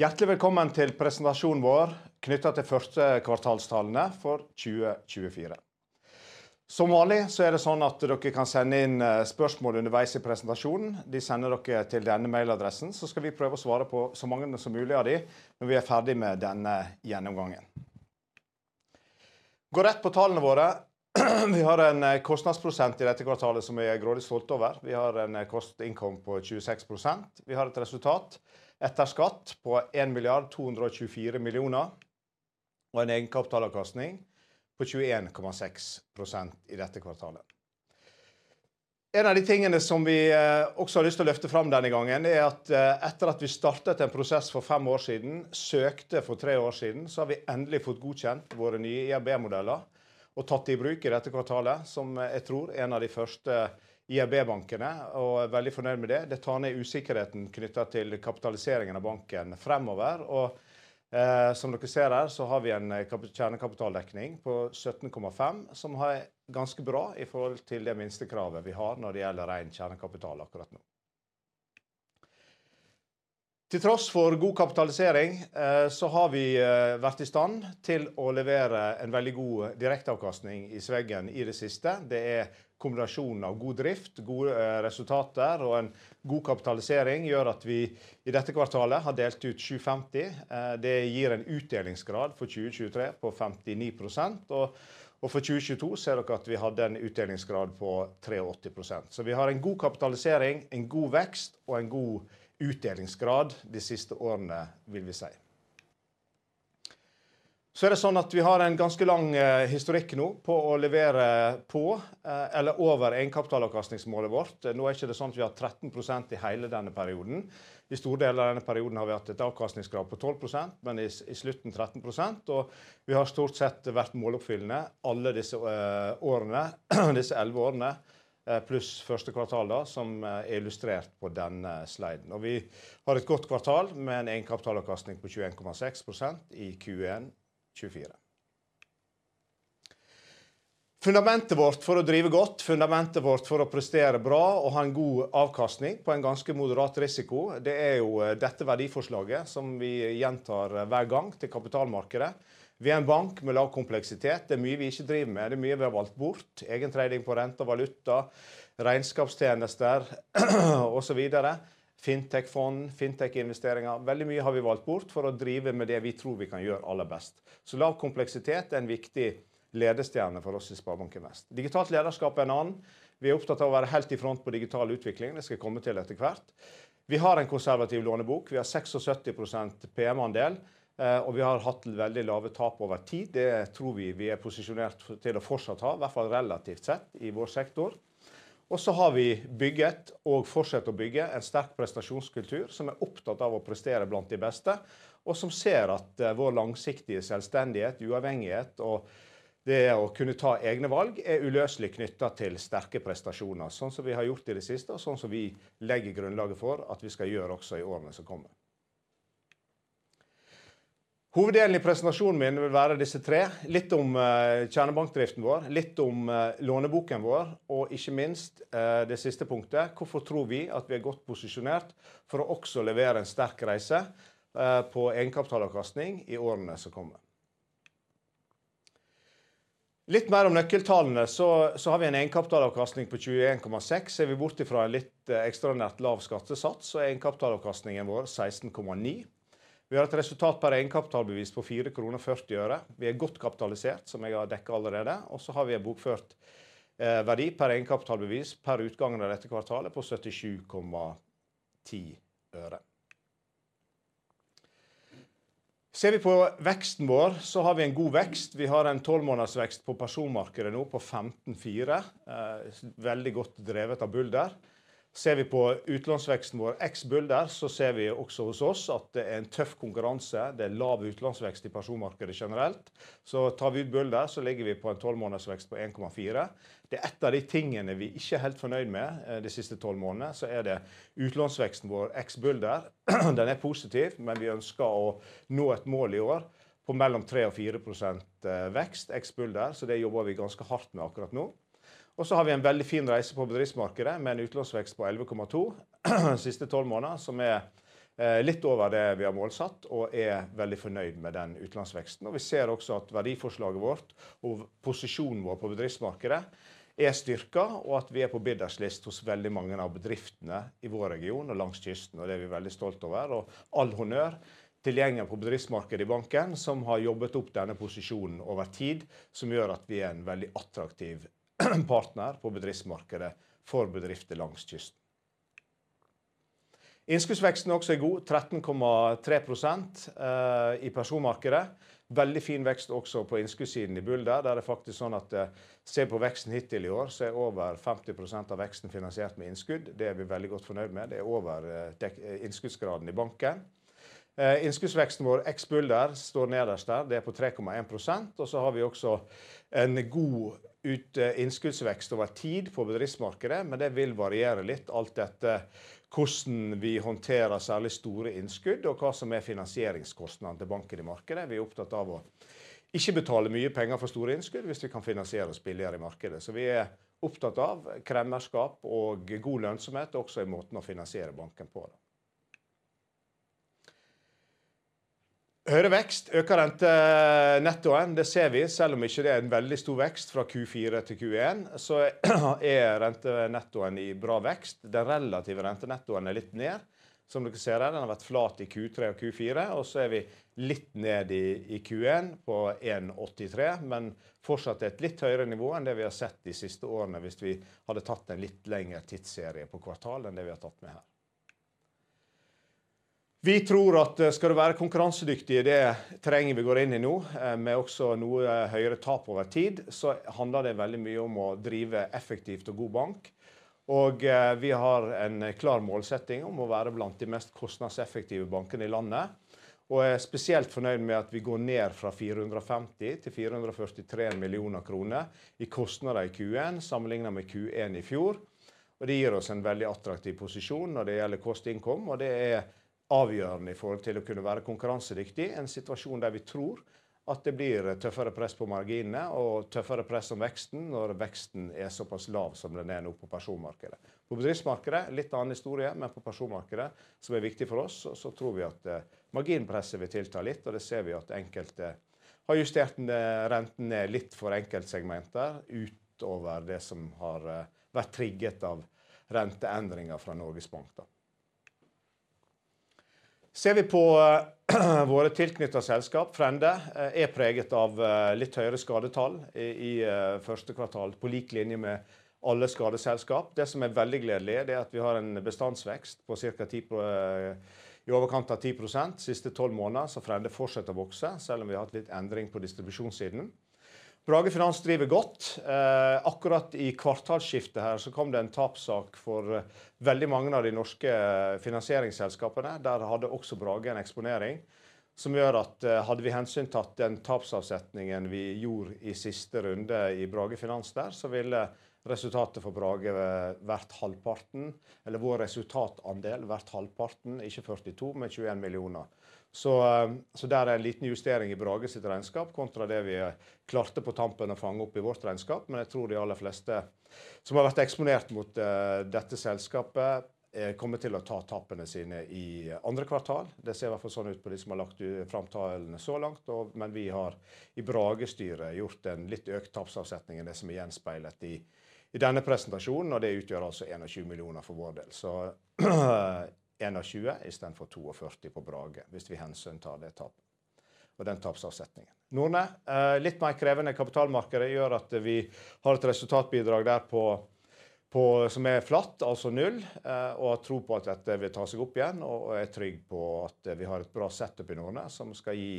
Hjertelig velkommen til presentasjonen vår knyttet til første kvartalstallene for 2024. Som vanlig kan dere sende inn spørsmål underveis i presentasjonen; de sender dere til denne mailadressen, så skal vi prøve å svare på så mange som mulig av dem når vi er ferdige med denne gjennomgangen. Går rett på tallene våre: Vi har en kostnadsprosent i dette kvartalet som vi er grådig stolte over. Vi har en cost income på 26%. Vi har et resultat etter skatt på 1,224 milliarder, og en egenkapitalavkastning på 21,6% i dette kvartalet. En av de tingene som vi også har lyst til å løfte fram denne gangen, er at etter at vi startet en prosess for fem år siden, søkte for tre år siden, så har vi endelig fått godkjent våre nye IRB-modeller og tatt dem i bruk i dette kvartalet, som jeg tror er en av de første IRB-bankene, og er veldig fornøyd med det. Det tar ned usikkerheten knyttet til kapitaliseringen av banken fremover. Og som dere ser her, så har vi en kjernekapitaldekning på 17,5%, som er ganske bra i forhold til det minstekravet vi har når det gjelder ren kjernekapital akkurat nå. Til tross for god kapitalisering, så har vi vært i stand til å levere en veldig god direkteavkastning i sveggen i det siste. Det er kombinasjonen av god drift, gode resultater og en god kapitalisering som gjør at vi i dette kvartalet har delt ut 750. Det gir en utdelingsgrad for 2023 på 59%, og for 2022 ser dere at vi hadde en utdelingsgrad på 83%. Vi har en god kapitalisering, en god vekst og en god utdelingsgrad de siste årene, vil vi si. Det er sånn at vi har en ganske lang historikk nå på å levere på eller over egenkapitalavkastningsmålet vårt. Nå ikke det sånn at vi har hatt 13% i hele denne perioden. I store deler av denne perioden har vi hatt en avkastningsgrad på 12%, men i slutten 13%, og vi har stort sett vært måloppfyllende alle disse årene, disse elleve årene, pluss første kvartal da, som illustrert på denne sliden. Vi har et godt kvartal med en egenkapitalavkastning på 21,6% i Q1 2024. Fundamentet vårt for å drive godt, fundamentet vårt for å prestere bra og ha en god avkastning på en ganske moderat risiko, det er jo dette verdiforslaget som vi gjentar hver gang til kapitalmarkedet. Vi er en bank med lav kompleksitet. Det er mye vi ikke driver med. Det er mye vi har valgt bort: egen trading på rentevaluta, regnskapstjenester osv., fintech-fond, fintech-investeringer. Veldig mye har vi valgt bort for å drive med det vi tror vi kan gjøre aller best. Så lav kompleksitet er en viktig ledestjerne for oss i Sparebanken Vest. Digitalt lederskap er en annen. Vi er opptatt av å være helt i front på digital utvikling. Det skal jeg komme til etter hvert. Vi har en konservativ lånebok. Vi har 76% PM-andel, og vi har hatt veldig lave tap over tid. Det tror vi vi er posisjonert til å fortsatt ha, i hvert fall relativt sett i vår sektor. Vi har bygget og fortsetter å bygge en sterk prestasjonskultur som er opptatt av å prestere blant de beste, og som ser at vår langsiktige selvstendighet, uavhengighet og det å kunne ta egne valg er uløselig knyttet til sterke prestasjoner, sånn som vi har gjort i det siste, og sånn som vi legger grunnlaget for at vi skal gjøre også i årene som kommer. Hoveddelen i presentasjonen min vil være disse tre: litt om kjernebankdriften vår, litt om låneboken vår, og ikke minst det siste punktet: hvorfor tror vi at vi er godt posisjonert for å også levere en sterk reise på egenkapitalavkastning i årene som kommer. Litt mer om nøkkeltallene: så har vi en egenkapitalavkastning på 21,6%. Vi ser bort fra en litt ekstraordinært lav skattesats, så egenkapitalavkastningen vår er 16,9%. Vi har et resultat per egenkapitalbevis på 4,40 kroner. Vi er godt kapitalisert, som jeg har dekket allerede, og så har vi en bokført verdi per egenkapitalbevis per utgangen av dette kvartalet på 77,10 kroner. Ser vi på veksten vår, så har vi en god vekst. Vi har en tolvmåneders vekst på personmarkedet nå på 15,4%. Veldig godt drevet av Bulder. Ser vi på utlånsveksten vår, eks-Bulder, så ser vi også hos oss at det er en tøff konkurranse. Det er lav utlånsvekst i personmarkedet generelt. Så tar vi ut Bulder, så ligger vi på en tolvmåneders vekst på 1,4%. Det er ett av de tingene vi ikke er helt fornøyd med de siste tolv månedene, så det er utlånsveksten vår, eks-Bulder. Den er positiv, men vi ønsker å nå et mål i år på mellom 3% og 4% vekst, eks-Bulder, så det jobber vi ganske hardt med akkurat nå. Vi har en veldig fin reise på bedriftsmarkedet med en utlånsvekst på 11,2% de siste tolv månedene, som er litt over det vi har målsatt og vi er veldig fornøyd med den utlånsveksten. Vi ser også at verdiforslaget vårt og posisjonen vår på bedriftsmarkedet er styrket, og at vi er på bidders list hos veldig mange av bedriftene i vår region og langs kysten, og det er vi veldig stolte over. Og all honnør tilgjengelig på bedriftsmarkedet i banken som har jobbet opp denne posisjonen over tid, som gjør at vi er en veldig attraktiv partner på bedriftsmarkedet for bedrifter langs kysten. Innskuddsveksten også god, 13,3% i personmarkedet. Veldig fin vekst også på innskuddssiden i Bulder. Der er det faktisk sånn at ser vi på veksten hittil i år, så er over 50% av veksten finansiert med innskudd. Det er vi veldig godt fornøyd med. Det øker innskuddsgraden i banken. Innskuddsveksten vår, eks-Bulder, står nederst der. Det er på 3,1%. Vi har også en god innskuddsvekst over tid på bedriftsmarkedet, men det vil variere litt alt etter hvordan vi håndterer særlig store innskudd og hva som er finansieringskostnadene til banken i markedet. Vi er opptatt av å ikke betale mye penger for store innskudd hvis vi kan finansiere oss billigere i markedet. Så vi er opptatt av kremmerskap og god lønnsomhet også i måten å finansiere banken på. Høyere vekst, økt rentenetto, det ser vi. Selv om det ikke er en veldig stor vekst fra Q4 til Q1, så er rentenettoen i bra vekst. Den relative rentenettoen litt ned, som dere ser her. Den har vært flat i Q3 og Q4, og så er vi litt nede i Q1 på 1,83%, men fortsatt et litt høyere nivå enn det vi har sett de siste årene hvis vi hadde tatt en litt lengre tidsserie på kvartal enn det vi har tatt med her. Vi tror at skal du være konkurransedyktig i det terrenget vi går inn i nå, med også noe høyere tap over tid, så handler det veldig mye om å drive effektivt og god bank. Og vi har en klar målsetting om å være blant de mest kostnadseffektive bankene i landet, og spesielt fornøyd med at vi går ned fra 450 til 443 millioner kroner i kostnader i Q1 sammenlignet med Q1 i fjor. Og det gir oss en veldig attraktiv posisjon når det gjelder cost income, og det avgjørende i forhold til å kunne være konkurransedyktig i en situasjon der vi tror at det blir tøffere press på marginene og tøffere press om veksten når veksten såpass lav som den nå på personmarkedet. På bedriftsmarkedet det litt annen historie, men på personmarkedet som viktig for oss, og så tror vi at marginpresset vil tilta litt, og det ser vi at enkelte har justert den renten ned litt for enkeltsegmenter utover det som har vært trigget av renteendringer fra Norges Bank. Ser vi på våre tilknyttede selskap, Frende, preget av litt høyere skadetall i første kvartal på lik linje med alle skadeselskap. Det som er veldig gledelig, er at vi har en bestandsvekst på ca. 10%, i overkant av 10% de siste tolv månedene, så Frende fortsetter å vokse selv om vi har hatt litt endring på distribusjonssiden. Brage Finans driver godt. Akkurat i kvartalsskiftet her så kom det en tapssak for veldig mange av de norske finansieringsselskapene. Der hadde også Brage en eksponering som gjør at hadde vi hensyntatt den tapsavsetningen vi gjorde i siste runde i Brage Finans der, så ville resultatet for Brage vært halvparten, eller vår resultatandel vært halvparten, ikke 42, men 21 millioner. Så der det en liten justering i Brage sitt regnskap kontra det vi klarte på tampen å fange opp i vårt regnskap, men jeg tror de aller fleste som har vært eksponert mot dette selskapet kommer til å ta tappene sine i andre kvartal. Det ser i hvert fall sånn ut på de som har lagt fram tallene så langt, men vi har i Brage-styret gjort en litt økt tapsavsetning enn det som gjenspeilet i denne presentasjonen, og det utgjør altså 21 millioner for vår del. Så 21 i stedet for 42 på Brage, hvis vi hensyntar det tapet og den tapsavsetningen. Nordnet, litt mer krevende kapitalmarkedet, gjør at vi har et resultatbidrag der på som flatt, altså null, og har tro på at dette vil ta seg opp igjen, og trygg på at vi har et bra setup i Nordnet som skal gi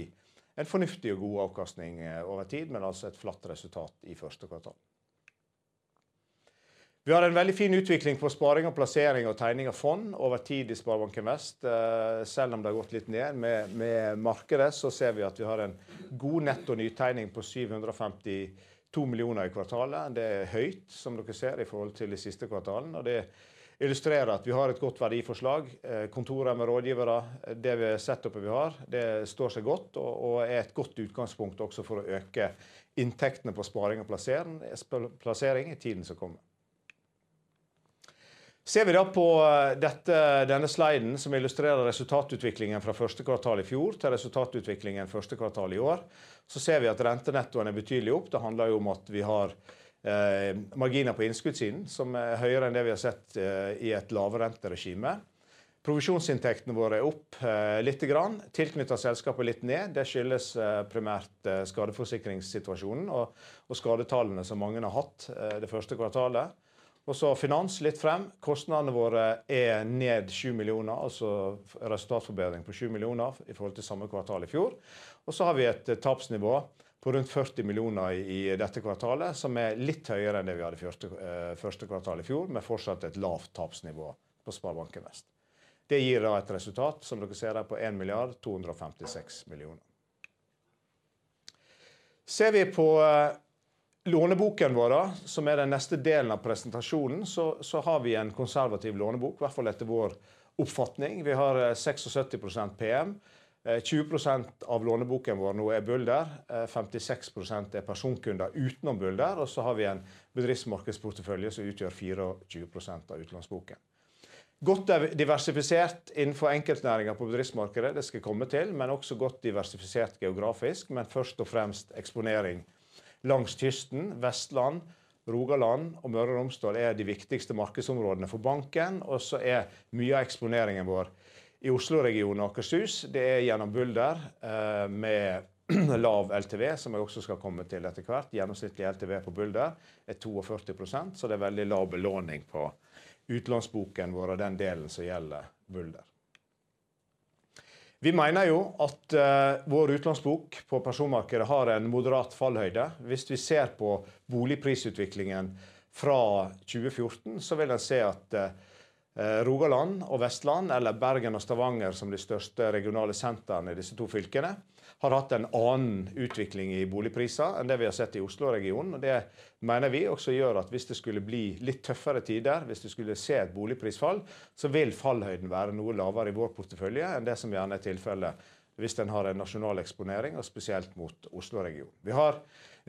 en fornuftig og god avkastning over tid, men altså et flatt resultat i første kvartal. Vi har en veldig fin utvikling på sparing, og plassering og tegning av fond over tid i Sparebanken Vest. Selv om det har gått litt ned med markedet, så ser vi at vi har en god netto nytegning på NOK 752 millioner i kvartalet. Det høyt, som dere ser, i forhold til de siste kvartalene, og det illustrerer at vi har et godt verdiforslag. Kontoret med rådgivere, det setupet vi har, det står seg godt og et godt utgangspunkt også for å øke inntektene på sparing og plassering i tiden som kommer. Ser vi da på denne sliden som illustrerer resultatutviklingen fra første kvartal i fjor til resultatutviklingen første kvartal i år, så ser vi at rentenettoen betydelig opp. Det handler jo om at vi har marginer på innskuddssiden som høyere enn det vi har sett i et lavrenteregime. Provisjonsinntektene våre opp litt, tilknyttede selskaper litt ned. Det skyldes primært skadeforsikringssituasjonen og skadetallene som mange har hatt det første kvartalet. Finans litt frem. Kostnadene våre ned NOK 7 millioner, altså resultatforbedring på NOK 7 millioner i forhold til samme kvartal i fjor. Vi har et tapsnivå på rundt NOK 40 millioner i dette kvartalet, som litt høyere enn det vi hadde første kvartal i fjor, med fortsatt et lavt tapsnivå på Sparebanken Vest. Det gir da et resultat, som dere ser her, på NOK 1,256 millioner. Ser vi på låneboken vår, som den neste delen av presentasjonen, så har vi en konservativ lånebok, i hvert fall etter vår oppfatning. Vi har 76% PM. 20% av låneboken vår nå Bulder. 56% persontunder utenom Bulder. Og så har vi en bedriftsmarkedsportefølje som utgjør 24% av utlånsboken. Godt diversifisert innenfor enkeltnæringer på bedriftsmarkedet, det skal jeg komme til, men også godt diversifisert geografisk. Men først og fremst eksponering langs kysten. Vestland, Rogaland og Møre og Romsdal de viktigste markedsområdene for banken, og så mye av eksponeringen vår i Osloregionen og Akershus. Det gjennom Bulder, med lav LTV, som jeg også skal komme til etter hvert. Gjennomsnittlig LTV på Bulder 42%, så det veldig lav belåning på utlånsboken vår, den delen som gjelder Bulder. Vi mener jo at vår utlånsbok på personmarkedet har en moderat fallhøyde. Hvis vi ser på boligprisutviklingen fra 2014, så vil en se at Rogaland og Vestland, eller Bergen og Stavanger som de største regionale sentrene i disse to fylkene, har hatt en annen utvikling i boligpriser enn det vi har sett i Osloregionen, og det mener vi også gjør at hvis det skulle bli litt tøffere tider, hvis vi skulle se et boligprisfall, så vil fallhøyden være noe lavere i vår portefølje enn det som gjerne tilfellet hvis en har en nasjonal eksponering, og spesielt mot Osloregionen. Vi har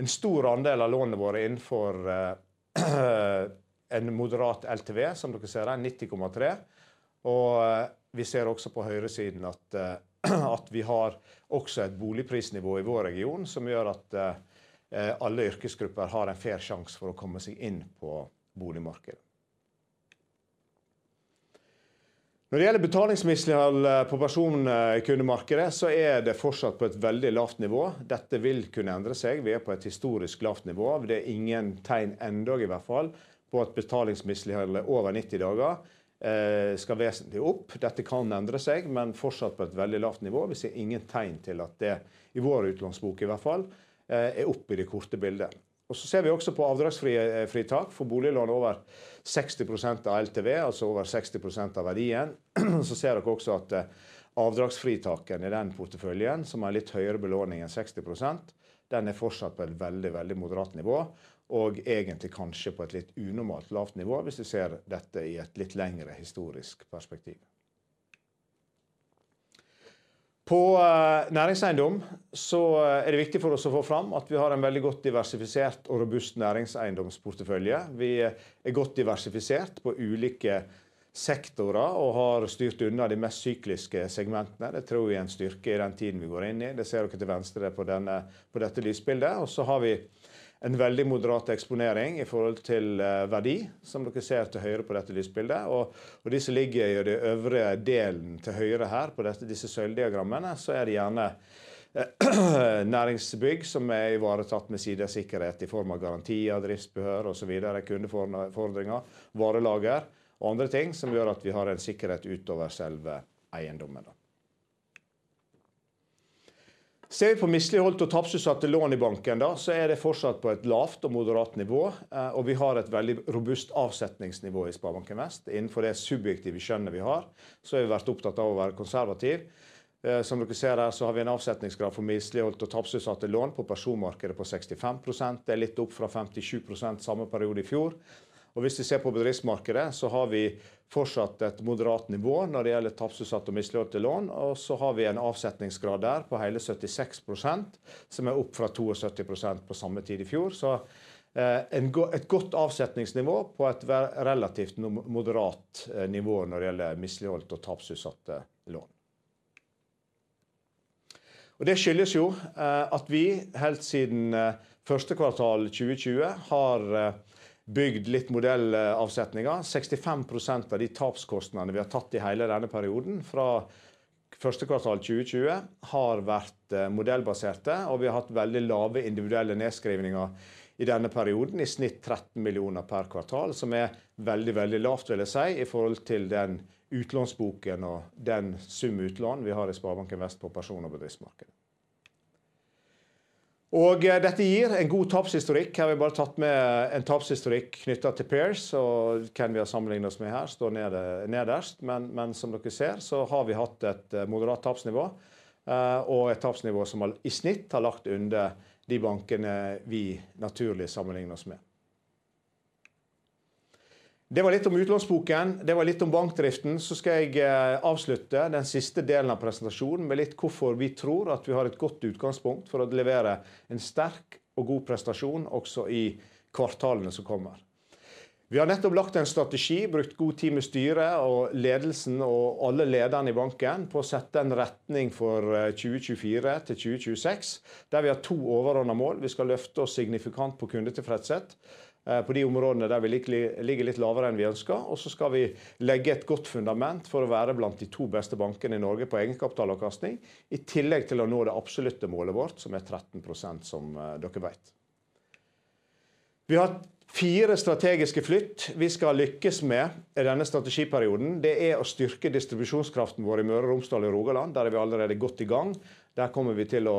en stor andel av lånene våre innenfor en moderat LTV, som dere ser her, 90,3%. Vi ser også på høyresiden at vi har også et boligprisnivå i vår region som gjør at alle yrkesgrupper har en fair sjanse for å komme seg inn på boligmarkedet. Når det gjelder betalingsmislighold på personkundemarkedet, så det fortsatt på et veldig lavt nivå. Dette vil kunne endre seg. Vi er på et historisk lavt nivå. Det er ingen tegn ennå, i hvert fall, på at betalingsmisligholdet over 90 dager skal vesentlig opp. Dette kan endre seg, men er fortsatt på et veldig lavt nivå. Vi ser ingen tegn til at det, i vår utlånsbok i hvert fall, går opp i det korte bildet. Vi ser også på avdragsfritak for boliglån over 60% av LTV, altså over 60% av verdien. Så ser dere også at avdragsfritakene i den porteføljen, som har litt høyere belåning enn 60%, er fortsatt på et veldig, veldig moderat nivå, og egentlig kanskje på et litt unormalt lavt nivå hvis vi ser dette i et litt lengre historisk perspektiv. På næringseiendom så er det viktig for oss å få fram at vi har en veldig godt diversifisert og robust næringseiendomsportefølje. Vi er godt diversifisert på ulike sektorer og har styrt unna de mest sykliske segmentene. Det tror vi er en styrke i den tiden vi går inn i. Det ser dere til venstre på dette lysbildet. Vi har en veldig moderat eksponering i forhold til verdi, som dere ser til høyre på dette lysbildet. De som ligger i den øvre delen til høyre her på disse søylediagrammene, det er gjerne næringsbygg som er ivaretatt med sidesikkerhet i form av garantier, driftsløsøre, kundefordringer, varelager og andre ting som gjør at vi har en sikkerhet utover selve eiendommen. Ser vi på misligholdte og tapsutsatte lån i banken, så er det fortsatt på et lavt og moderat nivå, og vi har et veldig robust avsetningsnivå i Sparebanken Vest. Innenfor det subjektive skjønnet vi har, så har vi vært opptatt av å være konservative. Som dere ser her, så har vi en avsetningsgrad for misligholdt og tapsutsatte lån på personmarkedet på 65%. Det litt opp fra 57% samme periode i fjor. Hvis vi ser på bedriftsmarkedet, så har vi fortsatt et moderat nivå når det gjelder tapsutsatte og misligholdte lån, og så har vi en avsetningsgrad der på hele 76%, som opp fra 72% på samme tid i fjor. Et godt avsetningsnivå på et relativt moderat nivå når det gjelder misligholdt og tapsutsatte lån. Det skyldes jo at vi helt siden første kvartal 2020 har bygd litt modellavsetninger. 65% av de tapskostnadene vi har tatt i hele denne perioden fra første kvartal 2020 har vært modellbaserte, og vi har hatt veldig lave individuelle nedskrivninger i denne perioden, i snitt NOK 13 millioner per kvartal, som veldig, veldig lavt, vil jeg si, i forhold til den utlånsboken og den sum utlån vi har i Sparebanken Vest på person- og bedriftsmarkedet. Dette gir en god tapshistorikk. Her har vi bare tatt med en tapshistorikk knyttet til PAIRS, og hvem vi har sammenlignet oss med her, står nederst. Som dere ser, så har vi hatt et moderat tapsnivå, og et tapsnivå som i snitt har lagt under de bankene vi naturlig sammenligner oss med. Det var litt om utlånsboken. Det var litt om bankdriften. Så skal jeg avslutte den siste delen av presentasjonen med litt hvorfor vi tror at vi har et godt utgangspunkt for å levere en sterk og god prestasjon også i kvartalene som kommer. Vi har nettopp lagt en strategi, brukt god tid med styret og ledelsen og alle lederne i banken på å sette en retning for 2024 til 2026, der vi har to overordnede mål. Vi skal løfte oss signifikant på kundetilfredshet på de områdene der vi ligger litt lavere enn vi ønsker, og vi skal legge et godt fundament for å være blant de to beste bankene i Norge på egenkapitalavkastning, i tillegg til å nå det absolutte målet vårt, som er 13%, som dere vet. Vi har hatt fire strategiske flytt vi skal lykkes med i denne strategiperioden. Det å styrke distribusjonskraften vår i Møre og Romsdal og Rogaland, der vi allerede er godt i gang. Der kommer vi til å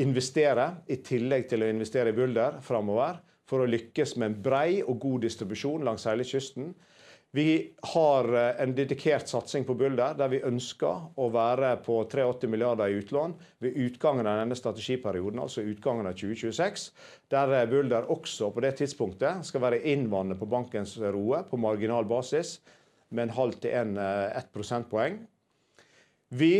investere, i tillegg til å investere i Bulder, framover for å lykkes med en bred og god distribusjon langs hele kysten. Vi har en dedikert satsing på Bulder, der vi ønsker å være på 83 milliarder i utlån ved utgangen av denne strategiperioden, altså utgangen av 2026, der Bulder også på det tidspunktet skal være innvandrende på bankens ROE på marginal basis med 0,5-1 prosentpoeng. Vi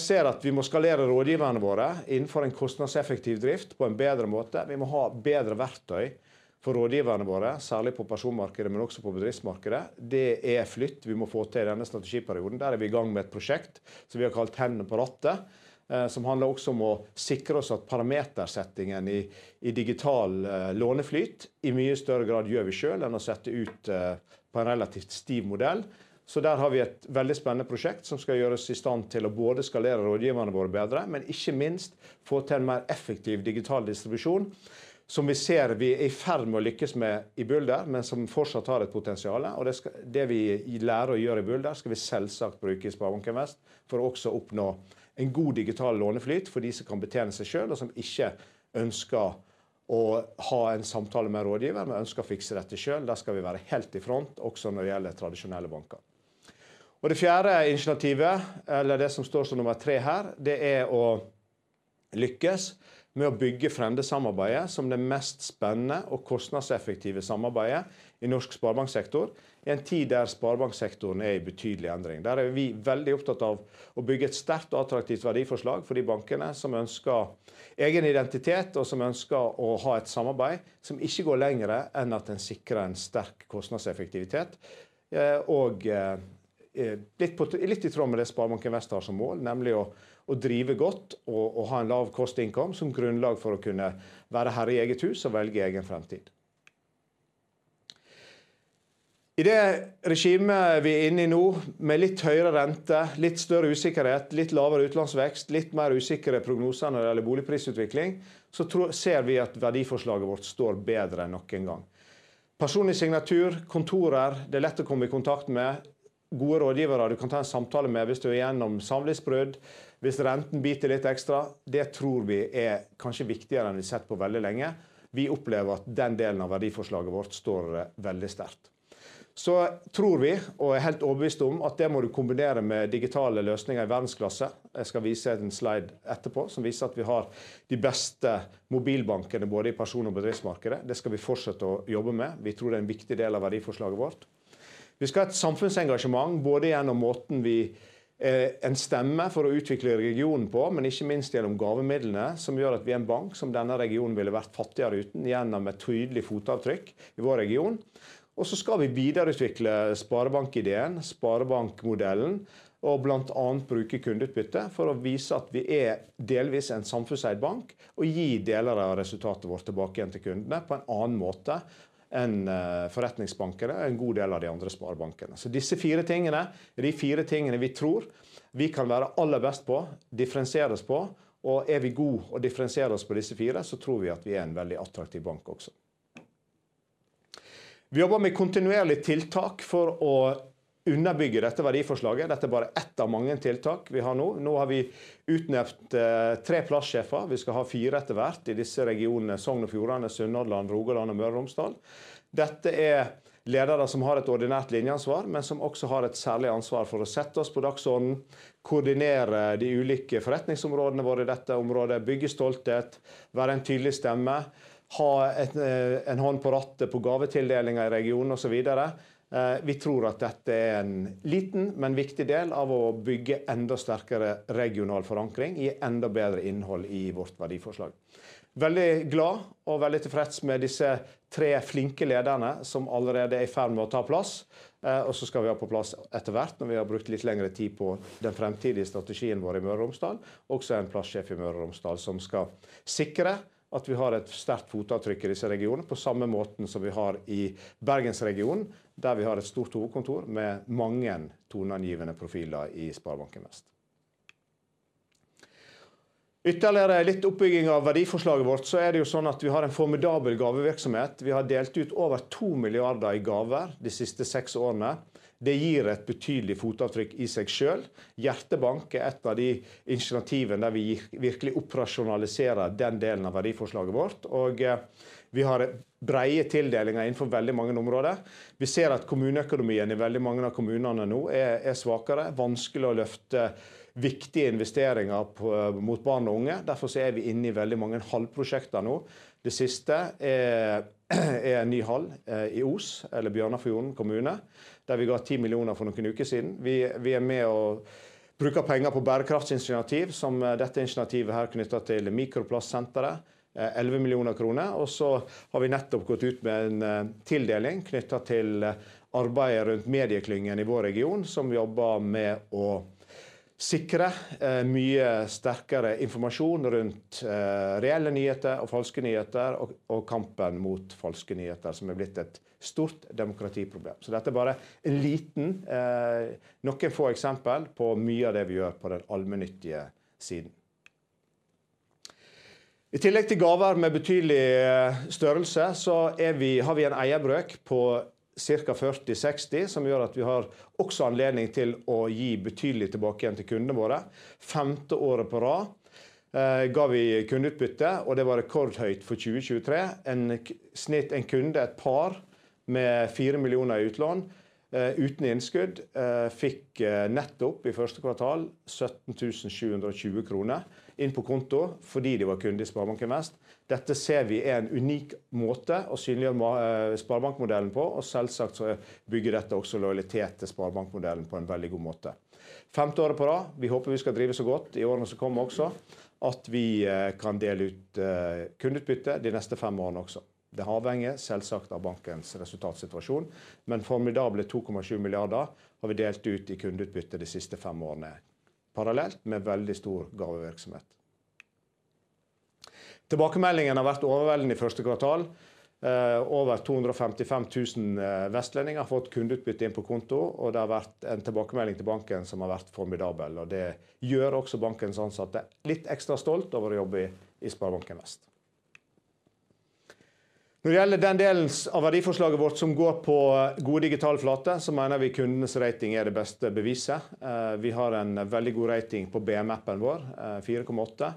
ser at vi må skalere rådgiverne våre innenfor en kostnadseffektiv drift på en bedre måte. Vi må ha bedre verktøy for rådgiverne våre, særlig på personmarkedet, men også på bedriftsmarkedet. Det flytt vi må få til i denne strategiperioden. Der vi i gang med et prosjekt som vi har kalt «Hendene på rattet», som handler også om å sikre oss at parametersettingen i digital låneflyt i mye større grad gjør vi selv enn å sette ut på en relativt stiv modell. Så der har vi et veldig spennende prosjekt som skal gjøre oss i stand til å både skalere rådgiverne våre bedre, men ikke minst få til en mer effektiv digital distribusjon, som vi ser vi i ferd med å lykkes med i Bulder, men som fortsatt har et potensiale. Og det vi lærer å gjøre i Bulder, skal vi selvsagt bruke i Sparebanken Vest for å også oppnå en god digital låneflyt for de som kan betjene seg selv og som ikke ønsker å ha en samtale med rådgiver, men ønsker å fikse dette selv. Der skal vi være helt i front, også når det gjelder tradisjonelle banker. Og det fjerde initiativet, eller det som står som nummer tre her, det å lykkes med å bygge fremtidssamarbeidet som det mest spennende og kostnadseffektive samarbeidet i norsk sparebanksektor i en tid der sparebanksektoren er i betydelig endring. Der vi er veldig opptatt av å bygge et sterkt og attraktivt verdiforslag for de bankene som ønsker egen identitet og som ønsker å ha et samarbeid som ikke går lengre enn at en sikrer en sterk kostnadseffektivitet, og litt på linje med det Sparebanken Vest har som mål, nemlig å drive godt og ha en lav kostnadsinntekt som grunnlag for å kunne være herre i eget hus og velge egen fremtid. I det regimet vi er inne i nå, med litt høyere rente, litt større usikkerhet, litt lavere utlånsvekst, litt mer usikre prognoser når det gjelder boligprisutvikling, så ser vi at verdiforslaget vårt står bedre enn noen gang. Personlig signatur, kontorer, det lett å komme i kontakt med gode rådgivere du kan ta en samtale med hvis du går gjennom samlivsbrudd, hvis renten biter litt ekstra. Det tror vi kanskje er viktigere enn vi har sett på veldig lenge. Vi opplever at den delen av verdiforslaget vårt står veldig sterkt. Vi tror, og er helt overbevist om, at det må du kombinere med digitale løsninger i verdensklasse. Jeg skal vise en slide etterpå som viser at vi har de beste mobilbankene både i person- og bedriftsmarkedet. Det skal vi fortsette å jobbe med. Vi tror det er en viktig del av verdiforslaget vårt. Vi skal ha et samfunnsengasjement både gjennom måten vi er en stemme for å utvikle regionen på, men ikke minst gjennom gavemidlene som gjør at vi er en bank som denne regionen ville vært fattigere uten, igjen med tydelig fotavtrykk i vår region. Og så skal vi videreutvikle sparebankideen, sparebankmodellen, og blant annet bruke kundeutbytte for å vise at vi er delvis en samfunnseid bank og gi deler av resultatet vårt tilbake igjen til kundene på en annen måte enn forretningsbankene og en god del av de andre sparebankene. Disse fire tingene, eller de fire tingene vi tror vi kan være aller best på, differensiere oss på, og vi er gode til å differensiere oss på disse fire, så tror vi at vi er en veldig attraktiv bank også. Vi jobber med kontinuerlige tiltak for å underbygge dette verdiforslaget. Dette er bare ett av mange tiltak vi har nå. Nå har vi utnevnt tre plasssjefer. Vi skal ha fire etter hvert i disse regionene Sogn og Fjordane, Sunnmøre, Rogaland og Møre og Romsdal. Dette er ledere som har et ordinært linjeansvar, men som også har et særlig ansvar for å sette oss på dagsordenen, koordinere de ulike forretningsområdene våre i dette området, bygge stolthet, være en tydelig stemme, ha en hånd på rattet på gavetildelinger i regionen og så videre. Vi tror at dette er en liten, men viktig del av å bygge enda sterkere regional forankring i enda bedre innhold i vårt verdiforslag. Veldig glad og veldig tilfreds med disse tre flinke lederne som allerede er i ferd med å ta plass. Og så skal vi ha på plass etter hvert, når vi har brukt litt lengre tid på den fremtidige strategien vår i Møre og Romsdal, også en plasssjef i Møre og Romsdal som skal sikre at vi har et sterkt fotavtrykk i disse regionene, på samme måten som vi har i Bergensregionen, der vi har et stort hovedkontor med mange toneangivende profiler i Sparebanken Vest. Ytterligere litt oppbygging av verdiforslaget vårt, så det jo sånn at vi har en formidabel gavevirksomhet. Vi har delt ut over to milliarder i gaver de siste seks årene. Det gir et betydelig fotavtrykk i seg selv. Hjertebank et av de initiativene der vi virkelig operasjonaliserer den delen av verdiforslaget vårt. Vi har brede tildelinger innenfor veldig mange områder. Vi ser at kommuneøkonomien i veldig mange av kommunene nå svakere, vanskelig å løfte viktige investeringer mot barn og unge. Derfor er vi inne i veldig mange hallprosjekter nå. Det siste er en ny hall i Os, eller Bjørnafjorden kommune, der vi ga ti millioner kroner for noen uker siden. Vi er med og bruker penger på bærekraftsinitiativ, som dette initiativet her knyttet til mikroplastsenteret, elleve millioner kroner. Og så har vi nettopp gått ut med en tildeling knyttet til arbeidet rundt medieklyngen i vår region, som jobber med å sikre mye sterkere informasjon rundt reelle nyheter og falske nyheter, og kampen mot falske nyheter som har blitt et stort demokratiproblem. Så dette er bare en liten, noen få eksempler på mye av det vi gjør på den allmennyttige siden. I tillegg til gaver med betydelig størrelse, så har vi en eierbrøk på ca. 40-60%, som gjør at vi har også anledning til å gi betydelig tilbake igjen til kundene våre. Femte året på rad ga vi kundeutbytte, og det var rekordhøyt for 2023. En snitt en kunde, et par, med fire millioner i utlån, uten innskudd, fikk nettopp i første kvartal 17.720 kroner inn på konto fordi de var kunde i Sparebanken Vest. Dette ser vi en unik måte å synliggjøre sparebankmodellen på, og selvsagt så bygger dette også lojalitet til sparebankmodellen på en veldig god måte. Femte året på rad, vi håper vi skal drive så godt i årene som kommer også, at vi kan dele ut kundeutbytte de neste fem årene også. Det avhenger selvsagt av bankens resultatsituasjon, men formidable 2,7 milliarder har vi delt ut i kundeutbytte de siste fem årene parallelt med veldig stor gavevirksomhet. Tilbakemeldingen har vært overveldende i første kvartal. Over 255.000 vestlendinger har fått kundeutbytte inn på konto, og det har vært en tilbakemelding til banken som har vært formidabel. Og det gjør også bankens ansatte litt ekstra stolte over å jobbe i Sparebanken Vest. Når det gjelder den delen av verdiforslaget vårt som går på god digital flate, så mener vi kundenes rating er det beste beviset. Vi har en veldig god rating på appen vår, 4,8,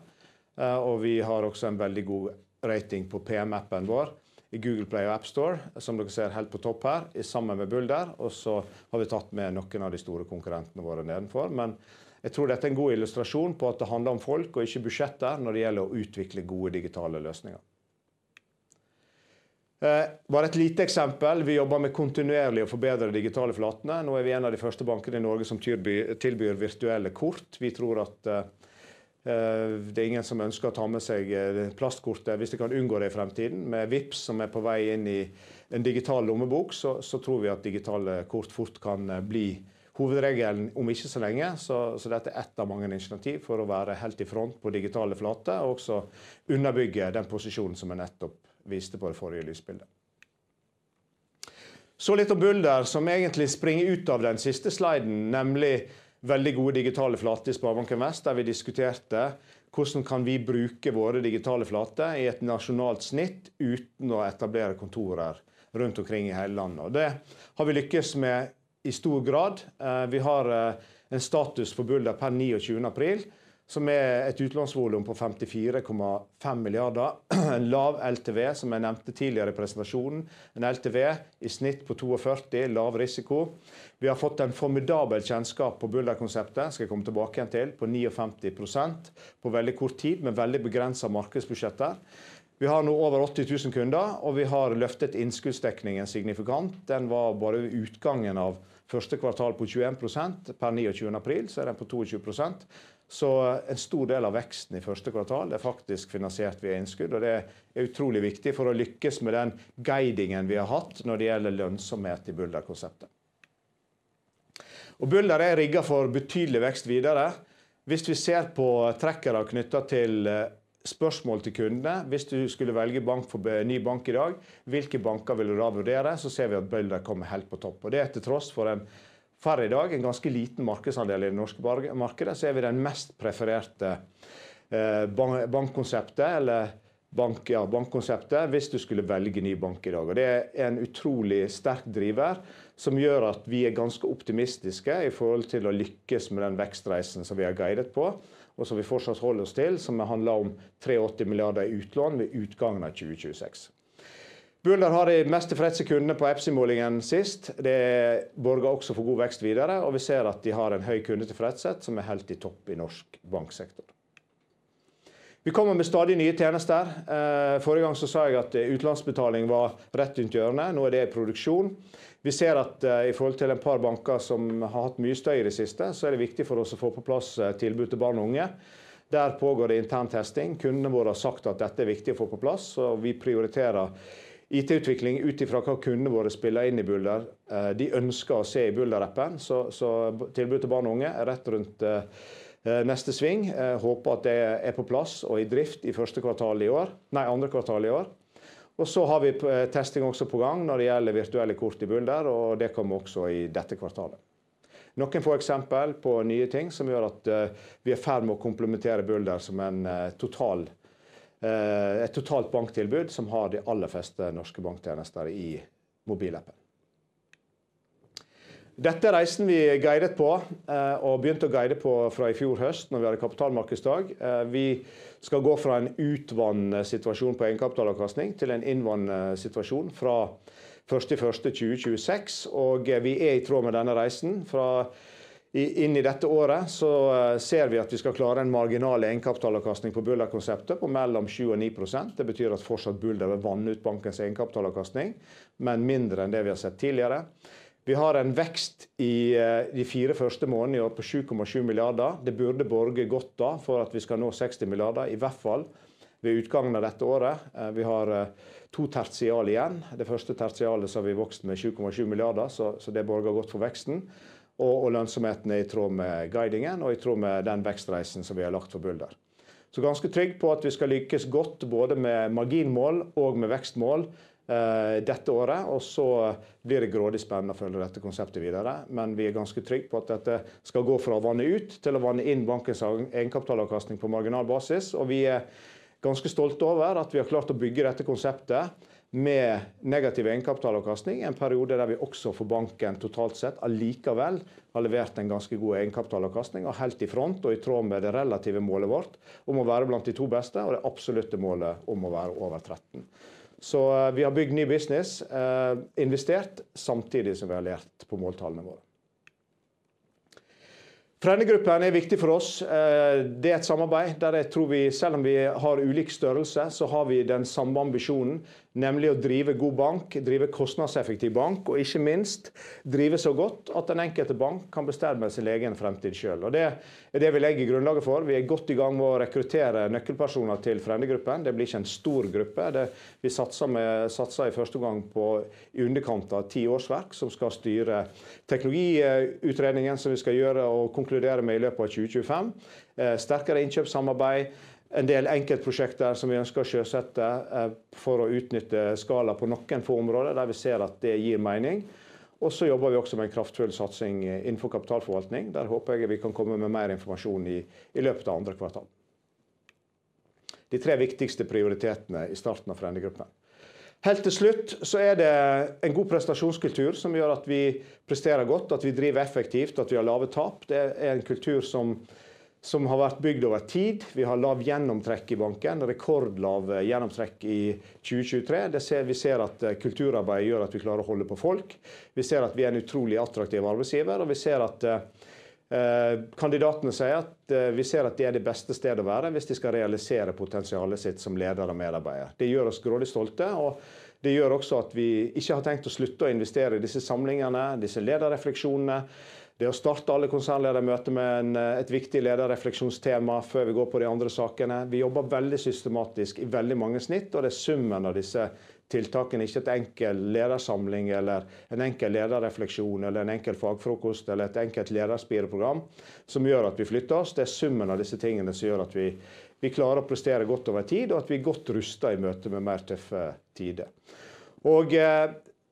og vi har også en veldig god rating på appen vår i Google Play og App Store, som dere ser helt på topp her, sammen med Bulder. Og så har vi tatt med noen av de store konkurrentene våre nedenfor. Men jeg tror dette er en god illustrasjon på at det handler om folk og ikke budsjetter når det gjelder å utvikle gode digitale løsninger. Bare et lite eksempel. Vi jobber kontinuerlig med å forbedre digitale flater. Nå er vi en av de første bankene i Norge som tilbyr virtuelle kort. Vi tror at det ingen som ønsker å ta med seg plastkortet hvis de kan unngå det i fremtiden. Med Vipps, som på vei inn i en digital lommebok, så tror vi at digitale kort fort kan bli hovedregelen, om ikke så lenge. Dette ett av mange initiativ for å være helt i front på digitale flater og også underbygge den posisjonen som jeg nettopp viste på det forrige lysbildet. Litt om Bulder, som egentlig springer ut av den siste sliden, nemlig veldig gode digitale flater i Sparebanken Vest, der vi diskuterte hvordan kan vi bruke våre digitale flater i et nasjonalt snitt uten å etablere kontorer rundt omkring i hele landet. Det har vi lykkes med i stor grad. Vi har en status for Bulder per 29. April, som et utlånsvolum på 54,5 milliarder, en lav LTV som jeg nevnte tidligere i presentasjonen, en LTV i snitt på 42%, lav risiko. Vi har fått en formidabel kjennskap på Bulder-konseptet, skal jeg komme tilbake igjen til, på 59% på veldig kort tid, med veldig begrensede markedsbudsjetter. Vi har nå over 80 000 kunder, og vi har løftet innskuddsdekningen signifikant. Den var bare ved utgangen av første kvartal på 21%. Per 29. april så den på 22%. En stor del av veksten i første kvartal faktisk finansiert via innskudd, og det utrolig viktig for å lykkes med den guidingen vi har hatt når det gjelder lønnsomhet i Bulder-konseptet. Bulder rigget for betydelig vekst videre. Hvis vi ser på trekkere knyttet til spørsmål til kundene, hvis du skulle velge ny bank i dag, hvilke banker vil du da vurdere? Så ser vi at Bulder kommer helt på topp. Og det til tross for at vi i dag har en ganske liten markedsandel i det norske markedet, så vi det mest prefererte bankkonseptet, eller bankkonseptet, hvis du skulle velge ny bank i dag. Og det en utrolig sterk driver som gjør at vi ganske optimistiske i forhold til å lykkes med den vekstreisen som vi har guidet på, og som vi fortsatt holder oss til, som handler om NOK 83 milliarder i utlån ved utgangen av 2026. Bulder har de mest tilfredse kundene på EPSI-målingen sist. Det borger også for god vekst videre, og vi ser at de har en høy kundetilfredshet som helt i topp i norsk banksektor. Vi kommer med stadig nye tjenester. Forrige gang så sa jeg at utlandsbetaling var rett rundt hjørnet. Nå det i produksjon. Vi ser at i forhold til et par banker som har hatt mye støy i det siste, så er det viktig for oss å få på plass tilbud til barn og unge. Der pågår det intern testing. Kundene våre har sagt at dette er viktig å få på plass, og vi prioriterer IT-utvikling ut ifra hva kundene våre spiller inn i Bulder. De ønsker å se det i Bulder-appen. Så tilbud til barn og unge kommer rett rundt neste sving. Håper at det er på plass og i drift i første kvartal i år. Nei, andre kvartal i år. Vi har testing også på gang når det gjelder virtuelle kort i Bulder, og det kommer også i dette kvartalet. Dette er noen få eksempler på nye ting som gjør at vi er i ferd med å komplementere Bulder som et totalt banktilbud som har de aller fleste norske banktjenester i mobilappen. Dette reisen vi guidet på, og begynte å guide på fra i fjor høst når vi hadde kapitalmarkedsdag. Vi skal gå fra en utvannet situasjon på egenkapitalavkastning til en innvannet situasjon fra 1.1.2026. Vi i tråd med denne reisen. Fra inn i dette året så ser vi at vi skal klare en marginal egenkapitalavkastning på Bulder-konseptet på mellom 7% og 9%. Det betyr at fortsatt Bulder vil vanne ut bankens egenkapitalavkastning, men mindre enn det vi har sett tidligere. Vi har en vekst i de fire første månedene i år på NOK 7,7 milliarder. Det burde borget godt da for at vi skal nå NOK 60 milliarder, i hvert fall ved utgangen av dette året. Vi har to tertial igjen. Det første tertialet så har vi vokst med NOK 7,7 milliarder, så det borger godt for veksten. Og lønnsomheten i tråd med guidingen og i tråd med den vekstreisen som vi har lagt for Bulder. Så ganske trygg på at vi skal lykkes godt både med marginmål og med vekstmål dette året. Og så blir det grådig spennende å følge dette konseptet videre. Men vi ganske trygg på at dette skal gå fra å vanne ut til å vanne inn bankens egenkapitalavkastning på marginal basis. Og vi ganske stolte over at vi har klart å bygge dette konseptet med negativ egenkapitalavkastning i en periode der vi også for banken totalt sett allikevel har levert en ganske god egenkapitalavkastning og helt i front og i tråd med det relative målet vårt om å være blant de to beste og det absolutte målet om å være over 13%. Så vi har bygd ny business, investert samtidig som vi har levert på måltallene våre. Fremmedgruppen viktig for oss. Det er et samarbeid der jeg tror vi, selv om vi har ulik størrelse, så har vi den samme ambisjonen, nemlig å drive god bank, drive kostnadseffektiv bank og ikke minst drive så godt at den enkelte bank kan bestemme sin egen fremtid selv. Og det er det vi legger grunnlaget for. Vi er godt i gang med å rekruttere nøkkelpersoner til Fremtidsgruppen. Det blir ikke en stor gruppe. Vi satser i første omgang på i underkant av ti årsverk som skal styre teknologiutredningen som vi skal gjøre og konkludere med i løpet av 2025. Sterkere innkjøpssamarbeid, en del enkeltprosjekter som vi ønsker å sjøsette for å utnytte skala på noen få områder der vi ser at det gir mening. Og så jobber vi også med en kraftfull satsing innenfor kapitalforvaltning. Der håper jeg vi kan komme med mer informasjon i løpet av andre kvartal. De tre viktigste prioritetene i starten av Fremtidsgruppen. Helt til slutt så det en god prestasjonskultur som gjør at vi presterer godt, at vi driver effektivt, at vi har lave tap. Det en kultur som har vært bygd over tid. Vi har lavt gjennomtrekk i banken, rekordlavt gjennomtrekk i 2023. Det ser vi at kulturarbeidet gjør at vi klarer å holde på folk. Vi ser at vi en utrolig attraktiv arbeidsgiver, og vi ser at kandidatene sier at de det beste stedet å være hvis de skal realisere potensialet sitt som ledere og medarbeidere. Det gjør oss grådig stolte, og det gjør også at vi ikke har tenkt å slutte å investere i disse samlingene, disse lederrefleksjonene. Det å starte alle konsernledermøter med et viktig lederrefleksjonstema før vi går på de andre sakene. Vi jobber veldig systematisk i veldig mange snitt, og det er summen av disse tiltakene, ikke en enkel ledersamling eller en enkel lederrefleksjon eller en enkel fagfrokost eller et enkelt lederspireprogram, som gjør at vi flytter oss. Det er summen av disse tingene som gjør at vi klarer å prestere godt over tid og at vi er godt rustet i møte med mer tøffe tider.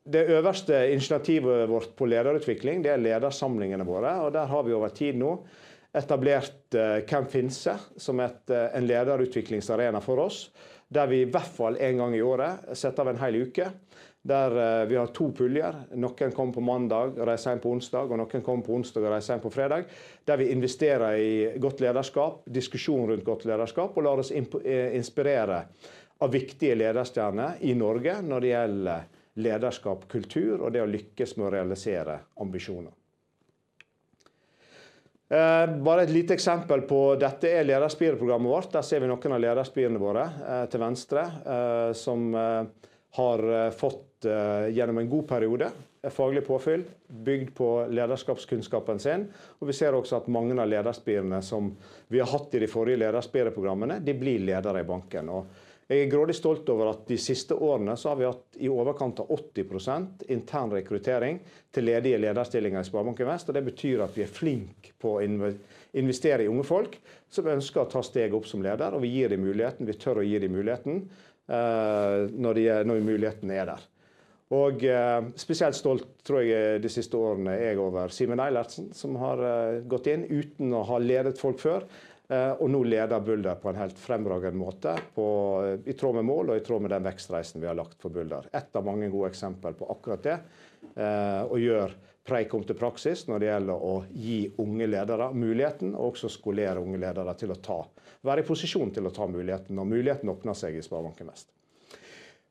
Det øverste initiativet vårt på lederutvikling, det er ledersamlingene våre, og der har vi over tid nå etablert Hvem Finnes? som en lederutviklingsarena for oss, der vi i hvert fall en gang i året setter av en hel uke, der vi har to puljer. Noen kommer på mandag og reiser hjem på onsdag, og noen kommer på onsdag og reiser hjem på fredag, der vi investerer i godt lederskap, diskusjon rundt godt lederskap og lar oss inspirere av viktige lederstjerner i Norge når det gjelder lederskap, kultur og det å lykkes med å realisere ambisjoner. Bare et lite eksempel på dette lederspireprogrammet vårt. Der ser vi noen av lederspirene våre til venstre, som har fått gjennom en god periode faglig påfyll, bygd på lederskapskunnskapen sin, og vi ser også at mange av lederspirene som vi har hatt i de forrige lederspireprogrammene, de blir ledere i banken. Og jeg er grådig stolt over at de siste årene så har vi hatt i overkant av 80% intern rekruttering til ledige lederstillinger i Sparebanken Vest, og det betyr at vi er flinke på å investere i unge folk som ønsker å ta steg opp som leder, og vi gir dem muligheten, vi tør å gi dem muligheten, når de når muligheten der. Og spesielt stolt, tror jeg, de siste årene over Simon Eilertzen som har gått inn uten å ha ledet folk før, og nå leder Bulder på en helt fremragende måte, i tråd med mål og i tråd med den vekstreisen vi har lagt for Bulder. Ett av mange gode eksempler på akkurat det, og gjør preik om til praksis når det gjelder å gi unge ledere muligheten, og også skolere unge ledere til å ta, være i posisjon til å ta muligheten når muligheten åpner seg i Sparebanken Vest.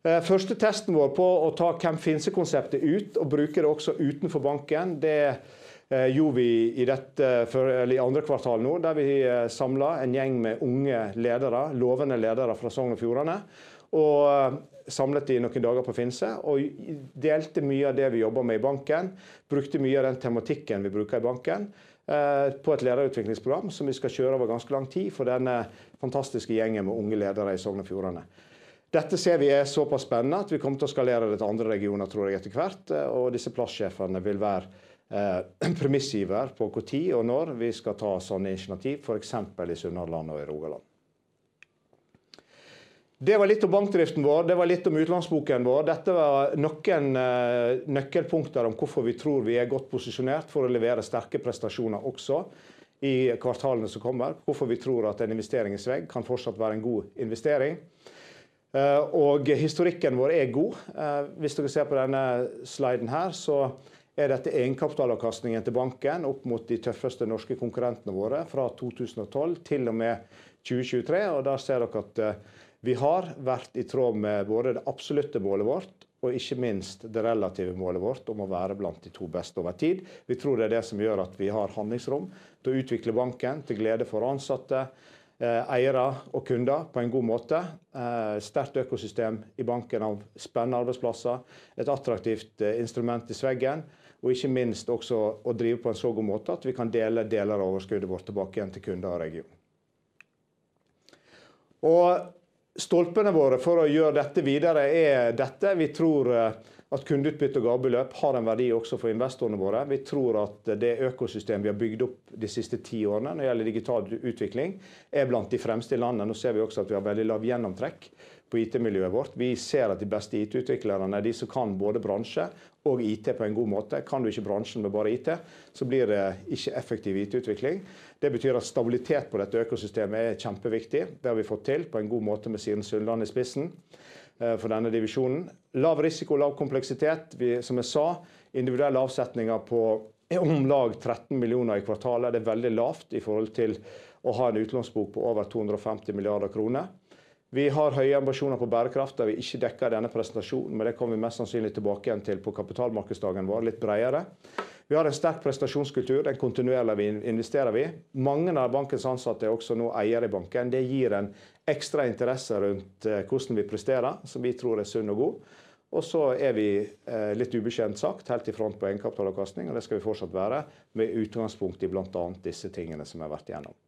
Første testen vår på å ta Hvem Finnes?-konseptet ut og bruke det også utenfor banken, det gjorde vi i dette eller i andre kvartal nå, der vi samlet en gjeng med unge ledere, lovende ledere fra Sogn og Fjordene, og samlet dem i noen dager på Finnse, og delte mye av det vi jobber med i banken, brukte mye av den tematikken vi bruker i banken, på et lederutviklingsprogram som vi skal kjøre over ganske lang tid for denne fantastiske gjengen med unge ledere i Sogn og Fjordene. Dette ser vi såpass spennende at vi kommer til å skalere det til andre regioner, tror jeg, etter hvert, og disse plassjefene vil være premissgivere på når og hvor tid og når vi skal ta sånne initiativ, for eksempel i Sunnlandet og i Rogaland. Det var litt om bankdriften vår, det var litt om utlandsboken vår. Dette var noen nøkkelpunkter om hvorfor vi tror vi godt posisjonert for å levere sterke prestasjoner også i kvartalene som kommer, hvorfor vi tror at en investering i SVEG kan fortsatt være en god investering. Og historikken vår god. Hvis dere ser på denne sliden her, så dette egenkapitalavkastningen til banken opp mot de tøffeste norske konkurrentene våre fra 2012 til og med 2023, og der ser dere at vi har vært i tråd med både det absolutte målet vårt og ikke minst det relative målet vårt om å være blant de to beste over tid. Vi tror det det som gjør at vi har handlingsrom til å utvikle banken til glede for ansatte, eiere og kunder på en god måte. Et sterkt økosystem i banken av spennende arbeidsplasser, et attraktivt instrument i SVEGen, og ikke minst også å drive på en så god måte at vi kan dele deler av overskuddet vårt tilbake igjen til kunder og region. Og stolpene våre for å gjøre dette videre dette. Vi tror at kundeutbytte og gavebeløp har en verdi også for investorene våre. Vi tror at det økosystemet vi har bygd opp de siste ti årene når det gjelder digital utvikling, blant de fremste i landet. Nå ser vi også at vi har veldig lavt gjennomtrekk på IT-miljøet vårt. Vi ser at de beste IT-utviklerne de som kan både bransje og IT på en god måte. Kan du ikke bransjen med bare IT, så blir det ikke effektiv IT-utvikling. Det betyr at stabilitet på dette økosystemet kjempeviktig. Det har vi fått til på en god måte med siden Sunnlandet i spissen for denne divisjonen. Lav risiko, lav kompleksitet. Som jeg sa, individuelle avsetninger på om lag NOK 13 millioner i kvartalet veldig lavt i forhold til å ha en utlånsbok på over NOK 250 milliarder. Vi har høye ambisjoner på bærekraft der vi ikke dekker denne presentasjonen, men det kommer vi mest sannsynlig tilbake igjen til på kapitalmarkedsdagen vår, litt bredere. Vi har en sterk prestasjonskultur, den kontinuerlig investerer vi i. Mange av bankens ansatte er også nå eiere i banken. Det gir en ekstra interesse rundt hvordan vi presterer, som vi tror er sunn og god. Og så er vi, litt ubekjent sagt, helt i front på egenkapitalavkastning, og det skal vi fortsatt være, med utgangspunkt i blant annet disse tingene som vi har vært gjennom.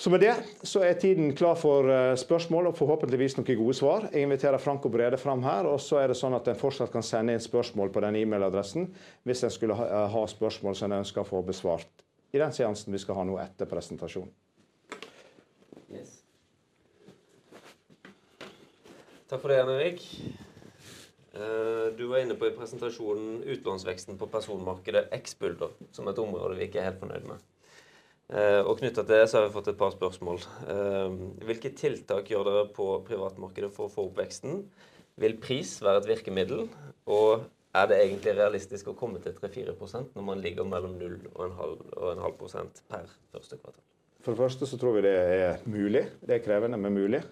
Så med det så er tiden klar for spørsmål og forhåpentligvis noen gode svar. Jeg inviterer Frank og Brede frem her, og så er det sånn at en fortsatt kan sende inn spørsmål på den e-mailadressen hvis en skulle ha spørsmål som en ønsker å få besvart i den seansen vi skal ha nå etter presentasjonen. Yes. Takk for det, Jan Erik. Du var inne på i presentasjonen utlånsveksten på personmarkedet eks-Bulder, som et område vi ikke er helt fornøyd med. Og knyttet til det så har vi fått et par spørsmål. Hvilke tiltak gjør dere på privatmarkedet for å få opp veksten? Vil pris være et virkemiddel, og er det egentlig realistisk å komme til 3-4% når man ligger mellom 0,5% og 0,5% per første kvartal? For det første så tror vi det er mulig. Det er krevende, men mulig.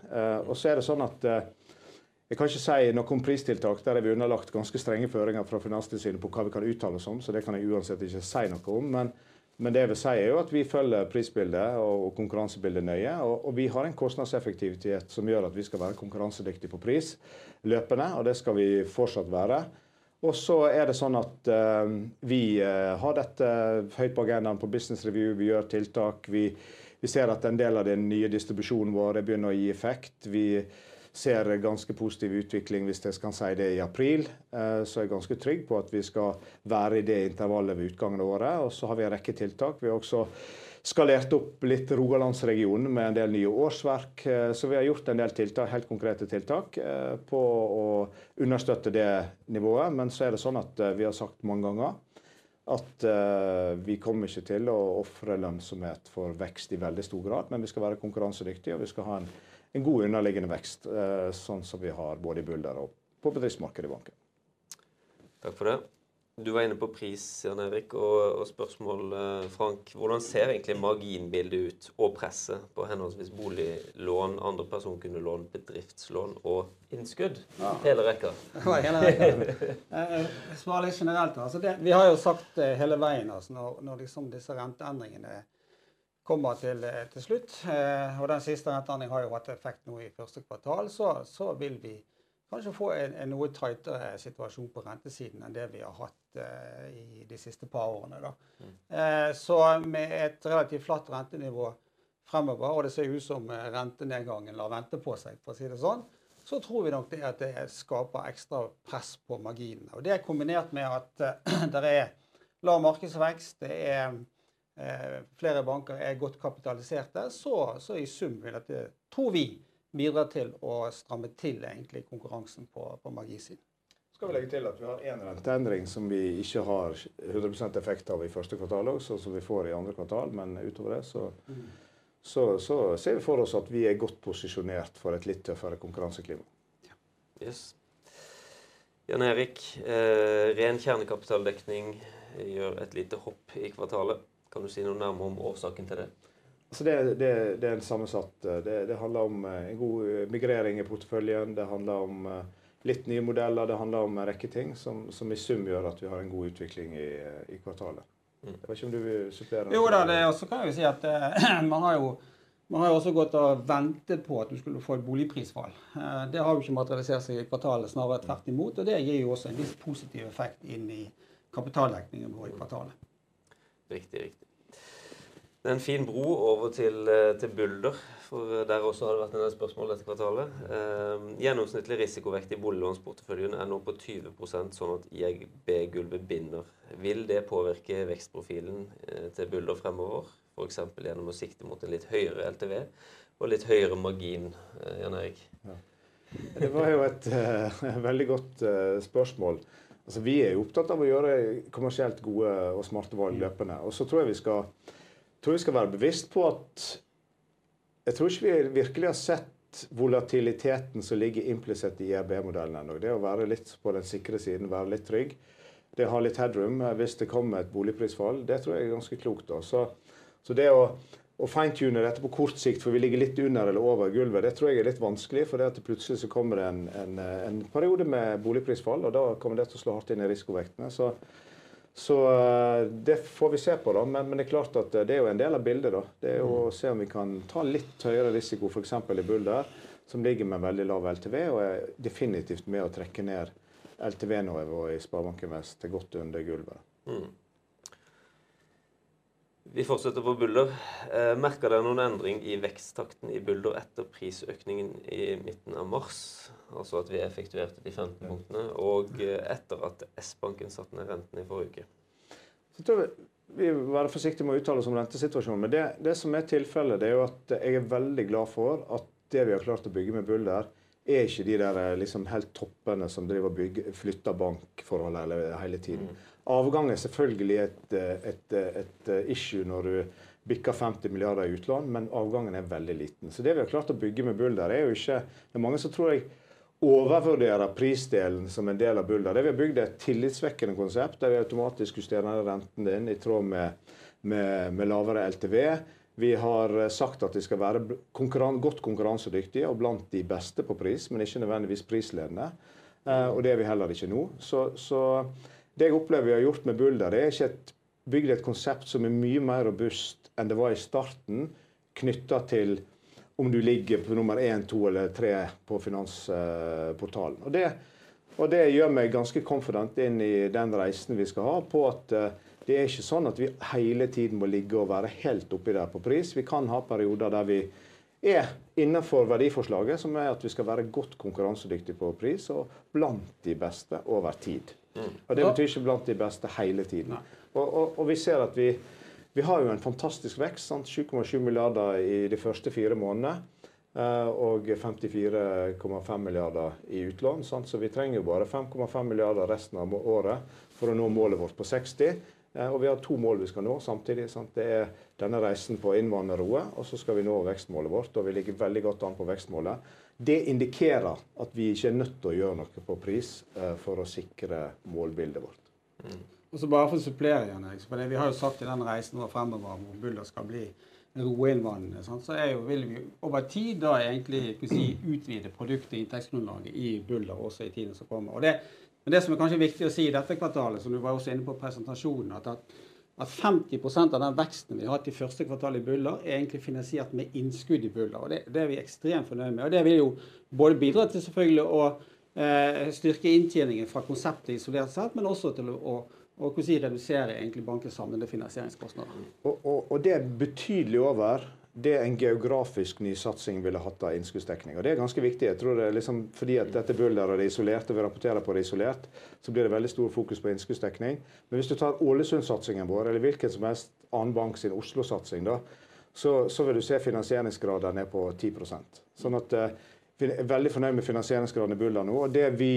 Og så er det sånn at jeg kan ikke si noe om pristiltak der vi har underlagt ganske strenge føringer fra Finanstilsynet på hva vi kan uttale oss om, så det kan jeg uansett ikke si noe om. Men det vi sier jo at vi følger prisbildet og konkurransebildet nøye, og vi har en kostnadseffektivitet som gjør at vi skal være konkurransedyktige på pris løpende, og det skal vi fortsatt være. Og så er det sånn at vi har dette høyt på agendaen på Business Review. Vi gjør tiltak. Vi ser at en del av den nye distribusjonen vår begynner å gi effekt. Vi ser ganske positiv utvikling, hvis jeg skal si det, i april. Så jeg er ganske trygg på at vi skal være i det intervallet ved utgangen av året. Vi har en rekke tiltak. Vi har også skalert opp litt Rogalandsregionen med en del nye årsverk. Vi har gjort en del tiltak, helt konkrete tiltak, på å understøtte det nivået. Vi har sagt mange ganger at vi kommer ikke til å ofre lønnsomhet for vekst i veldig stor grad, men vi skal være konkurransedyktige, og vi skal ha en god underliggende vekst, sånn som vi har både i Bulder og på bedriftsmarkedet i banken. Takk for det. Du var inne på pris, Jan Erik, og spørsmål Frank. Hvordan ser egentlig marginbildet ut å presse på henholdsvis boliglån, andre personkundelån, bedriftslån og innskudd? Hele rekka. Jeg svarer litt generelt. Vi har jo sagt hele veien at når disse renteendringene kommer til slutt, og den siste renteendringen har jo hatt effekt nå i første kvartal, så vil vi kanskje få en noe tightere situasjon på rentesiden enn det vi har hatt i de siste par årene. Så med et relativt flatt rentenivå fremover, og det ser ut som rentenedgangen lar vente på seg, for å si det sånn, så tror vi nok at det skaper ekstra press på marginene. Og det kombinert med at det er lav markedsvekst, at det er flere banker som er godt kapitaliserte, så i sum vil dette, tror vi, bidra til å stramme til egentlig konkurransen på marginsiden. Skal vi legge til at vi har en renteendring som vi ikke har 100% effekt av i første kvartal, og sånn som vi får i andre kvartal, men utover det ser vi for oss at vi godt posisjonert for et litt tøffere konkurranseklima. Jan Erik, ren kjernekapitaldekning gjør et lite hopp i kvartalet. Kan du si noe nærmere om årsaken til det? Det er en sammensatt... Det handler om en god migrering i porteføljen, det handler om litt nye modeller, det handler om en rekke ting som i sum gjør at vi har en god utvikling i kvartalet. Jeg vet ikke om du vil supplere? Jo da, det kan jeg jo si at man har jo også gått og ventet på at vi skulle få et boligprisfall. Det har jo ikke materialisert seg i kvartalet, snarere tvert imot, og det gir jo også en viss positiv effekt inn i kapitaldekningen vår i kvartalet. Riktig, riktig. Det en fin bro over til Bulder, for der også har det vært en del spørsmål dette kvartalet. Gjennomsnittlig risikovektig boliglånsporteføljen nå på 20%, sånn at jeg B-gulvet binder. Vil det påvirke vekstprofilen til Bulder fremover, for eksempel gjennom å sikte mot en litt høyere LTV og litt høyere margin, Jan Erik? Ja, det var jo et veldig godt spørsmål. Vi jo opptatt av å gjøre kommersielt gode og smarte valg løpende, og så tror jeg vi skal være bevisst på at... Jeg tror ikke vi virkelig har sett volatiliteten som ligger implisitt i IAB-modellen ennå. Det å være litt på den sikre siden, være litt trygg, det å ha litt headroom hvis det kommer et boligprisfall, det tror jeg er ganske klokt. Så det å finetune dette på kort sikt, for vi ligger litt under eller over gulvet, det tror jeg er litt vanskelig, fordi plutselig så kommer det en periode med boligprisfall, og da kommer det til å slå hardt inn i risikovektene. Så det får vi se på da, men det er klart at det er jo en del av bildet. Det er jo å se om vi kan ta litt høyere risiko, for eksempel i Bulder, som ligger med veldig lav LTV og definitivt med å trekke ned LTV-nivået i Sparebanken Vest til godt under gulvet. Vi fortsetter på Bulder. Merker dere noen endring i veksttakten i Bulder etter prisøkningen i midten av mars, altså at vi effektuerte de 15 punktene, og etter at S-Banken satte ned renten i forrige uke? Jeg tror vi må være forsiktige med å uttale oss om rentesituasjonen, men det som er tilfellet, det er jo at jeg er veldig glad for det vi har klart å bygge med Bulder. Ikke de der som liksom helt på toppene som driver og flytter bankforholdet hele tiden. Avgang er selvfølgelig et issue når du bikker NOK 50 milliarder i utlån, men avgangen er veldig liten. Det vi har klart å bygge med Bulder, det er jo ikke... Det er mange som tror jeg overvurderer prisdelen som en del av Bulder. Det vi har bygd er et tillitsvekkende konsept der vi automatisk justerer renten inn i tråd med lavere LTV. Vi har sagt at vi skal være godt konkurransedyktige og blant de beste på pris, men ikke nødvendigvis prisledende. Og det er vi heller ikke nå. Det jeg opplever vi har gjort med Bulder, det er at vi har bygd et konsept som er mye mer robust enn det var i starten, knyttet til om du ligger på nummer én, to eller tre på Finansportalen. Det gjør meg ganske konfident inn i den reisen vi skal ha, på at det ikke er sånn at vi hele tiden må ligge og være helt oppi der på pris. Vi kan ha perioder der vi innenfor verdiforslaget, som at vi skal være godt konkurransedyktige på pris og blant de beste over tid. Det betyr ikke blant de beste hele tiden. Vi ser at vi har jo en fantastisk vekst, 7,7 milliarder i de første fire månedene og 54,5 milliarder i utlån. Så vi trenger jo bare 5,5 milliarder resten av året for å nå målet vårt på 60. Vi har to mål vi skal nå samtidig. Det denne reisen på innvandrerroe, og så skal vi nå vekstmålet vårt, og vi ligger veldig godt an på vekstmålet. Det indikerer at vi ikke nødt til å gjøre noe på pris for å sikre målbildet vårt. Bare for å supplere, Jan Erik, for det vi har jo sagt i den reisen nå fremover hvor Bulder skal bli roeinnvandrende, så jo vil vi over tid da egentlig kunne si utvide produkt- og inntektsgrunnlaget i Bulder også i tiden som kommer. Det som kanskje er viktig å si i dette kvartalet, som du var også inne på i presentasjonen, er at 50% av den veksten vi har hatt i første kvartal i Bulder egentlig er finansiert med innskudd i Bulder. Det er vi ekstremt fornøyd med. Det vil jo både bidra til selvfølgelig å styrke inntjeningen fra konseptet isolert sett, men også til å kunne redusere egentlig bankens samlede finansieringskostnader. Det er betydelig over det en geografisk ny satsing ville hatt av innskuddsdekning. Det er ganske viktig. Jeg tror at fordi dette Bulder isolert, og vi rapporterer på det isolert, så blir det veldig stor fokus på innskuddsdekning. Men hvis du tar Ålesund-satsingen vår, eller hvilken som helst annen banks Oslo-satsing, da vil du se finansieringsgraden på 10%. Sånn at vi er veldig fornøyd med finansieringsgraden i Bulder nå. Det vi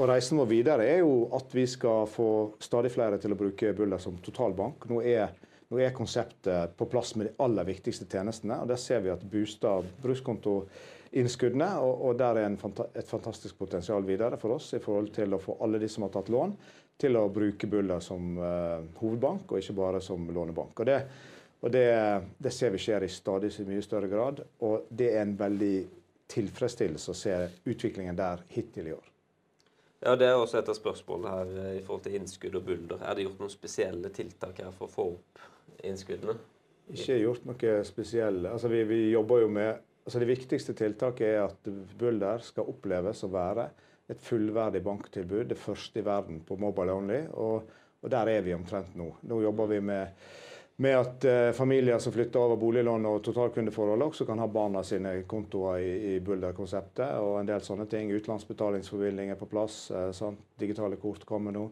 og reisen vår videre er jo at vi skal få stadig flere til å bruke Bulder som totalbank. Nå er konseptet på plass med de aller viktigste tjenestene, og der ser vi at det booster brukskontoinnskuddene, og der er det et fantastisk potensial videre for oss i forhold til å få alle de som har tatt lån til å bruke Bulder som hovedbank og ikke bare som lånebank. Det ser vi skjer i stadig så mye større grad, og det er en veldig tilfredsstillelse, ser jeg, utviklingen der hittil i år. Ja, det er også et av spørsmålene her i forhold til innskudd og Bulder. Er det gjort noen spesielle tiltak her for å få opp innskuddene? Ikke gjort noe spesielt. Vi jobber jo med... Altså, det viktigste tiltaket at Bulder skal oppleves å være et fullverdig banktilbud. Det første i verden på mobile only. Og der vi omtrent nå. Nå jobber vi med at familier som flytter over boliglån og total kundeforhold også kan ha barna sine kontoer i Bulder-konseptet og en del sånne ting. Utlandsbetalingsforbindelser på plass, sant. Digitale kort kommer nå.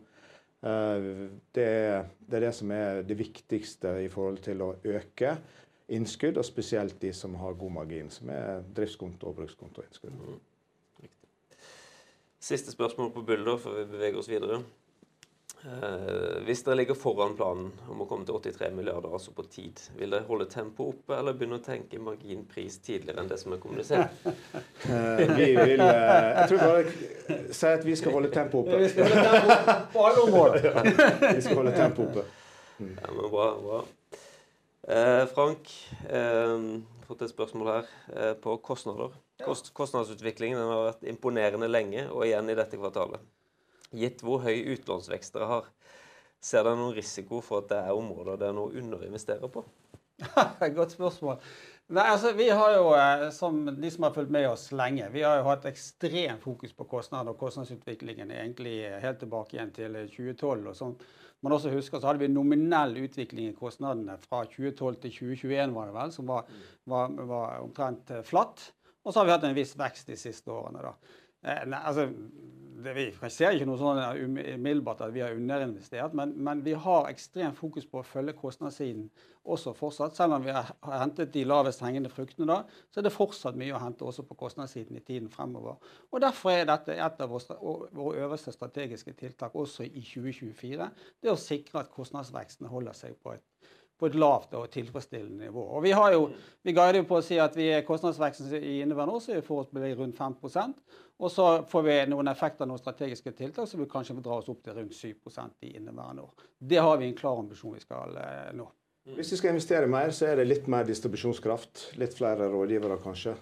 Det som det viktigste i forhold til å øke innskudd, og spesielt de som har god margin, som driftskonto og brukskontoinnskudd. Siste spørsmål på Bulder, før vi beveger oss videre. Hvis dere ligger foran planen om å komme til 83 milliarder, altså på tid, vil dere holde tempo oppe, eller begynne å tenke margin-pris tidligere enn det som kommunisert? Vi vil... Jeg tror vi bare sier at vi skal holde tempo oppe. Vi skal holde tempo oppe på alle områder. Vi skal holde tempo oppe. Ja, men bra. Bra. Frank, fått et spørsmål her på kostnader. Kostnadsutviklingen har vært imponerende lenge, og igjen i dette kvartalet. Gitt hvor høy utlånsvekst dere har, ser dere noen risiko for at det er områder det kan være noe å underinvestere på? Ja, det er et godt spørsmål. Nei, altså vi har jo, som de som har fulgt med oss lenge, vi har jo hatt ekstremt fokus på kostnader, og kostnadsutviklingen egentlig helt tilbake igjen til 2012 og sånn. Man også husker, så hadde vi nominell utvikling i kostnadene fra 2012 til 2021, var det vel, som var omtrent flatt. Og så har vi hatt en viss vekst de siste årene. Det vi kanskje ser ikke noe sånn umiddelbart at vi har underinvestert, men vi har ekstremt fokus på å følge kostnadssiden også fortsatt. Selv om vi har hentet de lavest hengende fruktene, så er det fortsatt mye å hente også på kostnadssiden i tiden fremover. Derfor er dette et av våre øverste strategiske tiltak også i 2024, det å sikre at kostnadsveksten holder seg på et lavt og tilfredsstillende nivå. Vi guider på å si at kostnadsveksten i inneværende år ligger forholdsvis rundt 5%. Vi får noen effekter av noen strategiske tiltak som vi kanskje må dra oss opp til rundt 7% i inneværende år. Det har vi en klar ambisjon om å nå. Hvis vi skal investere mer i litt mer distribusjonskraft, litt flere rådgivere kanskje,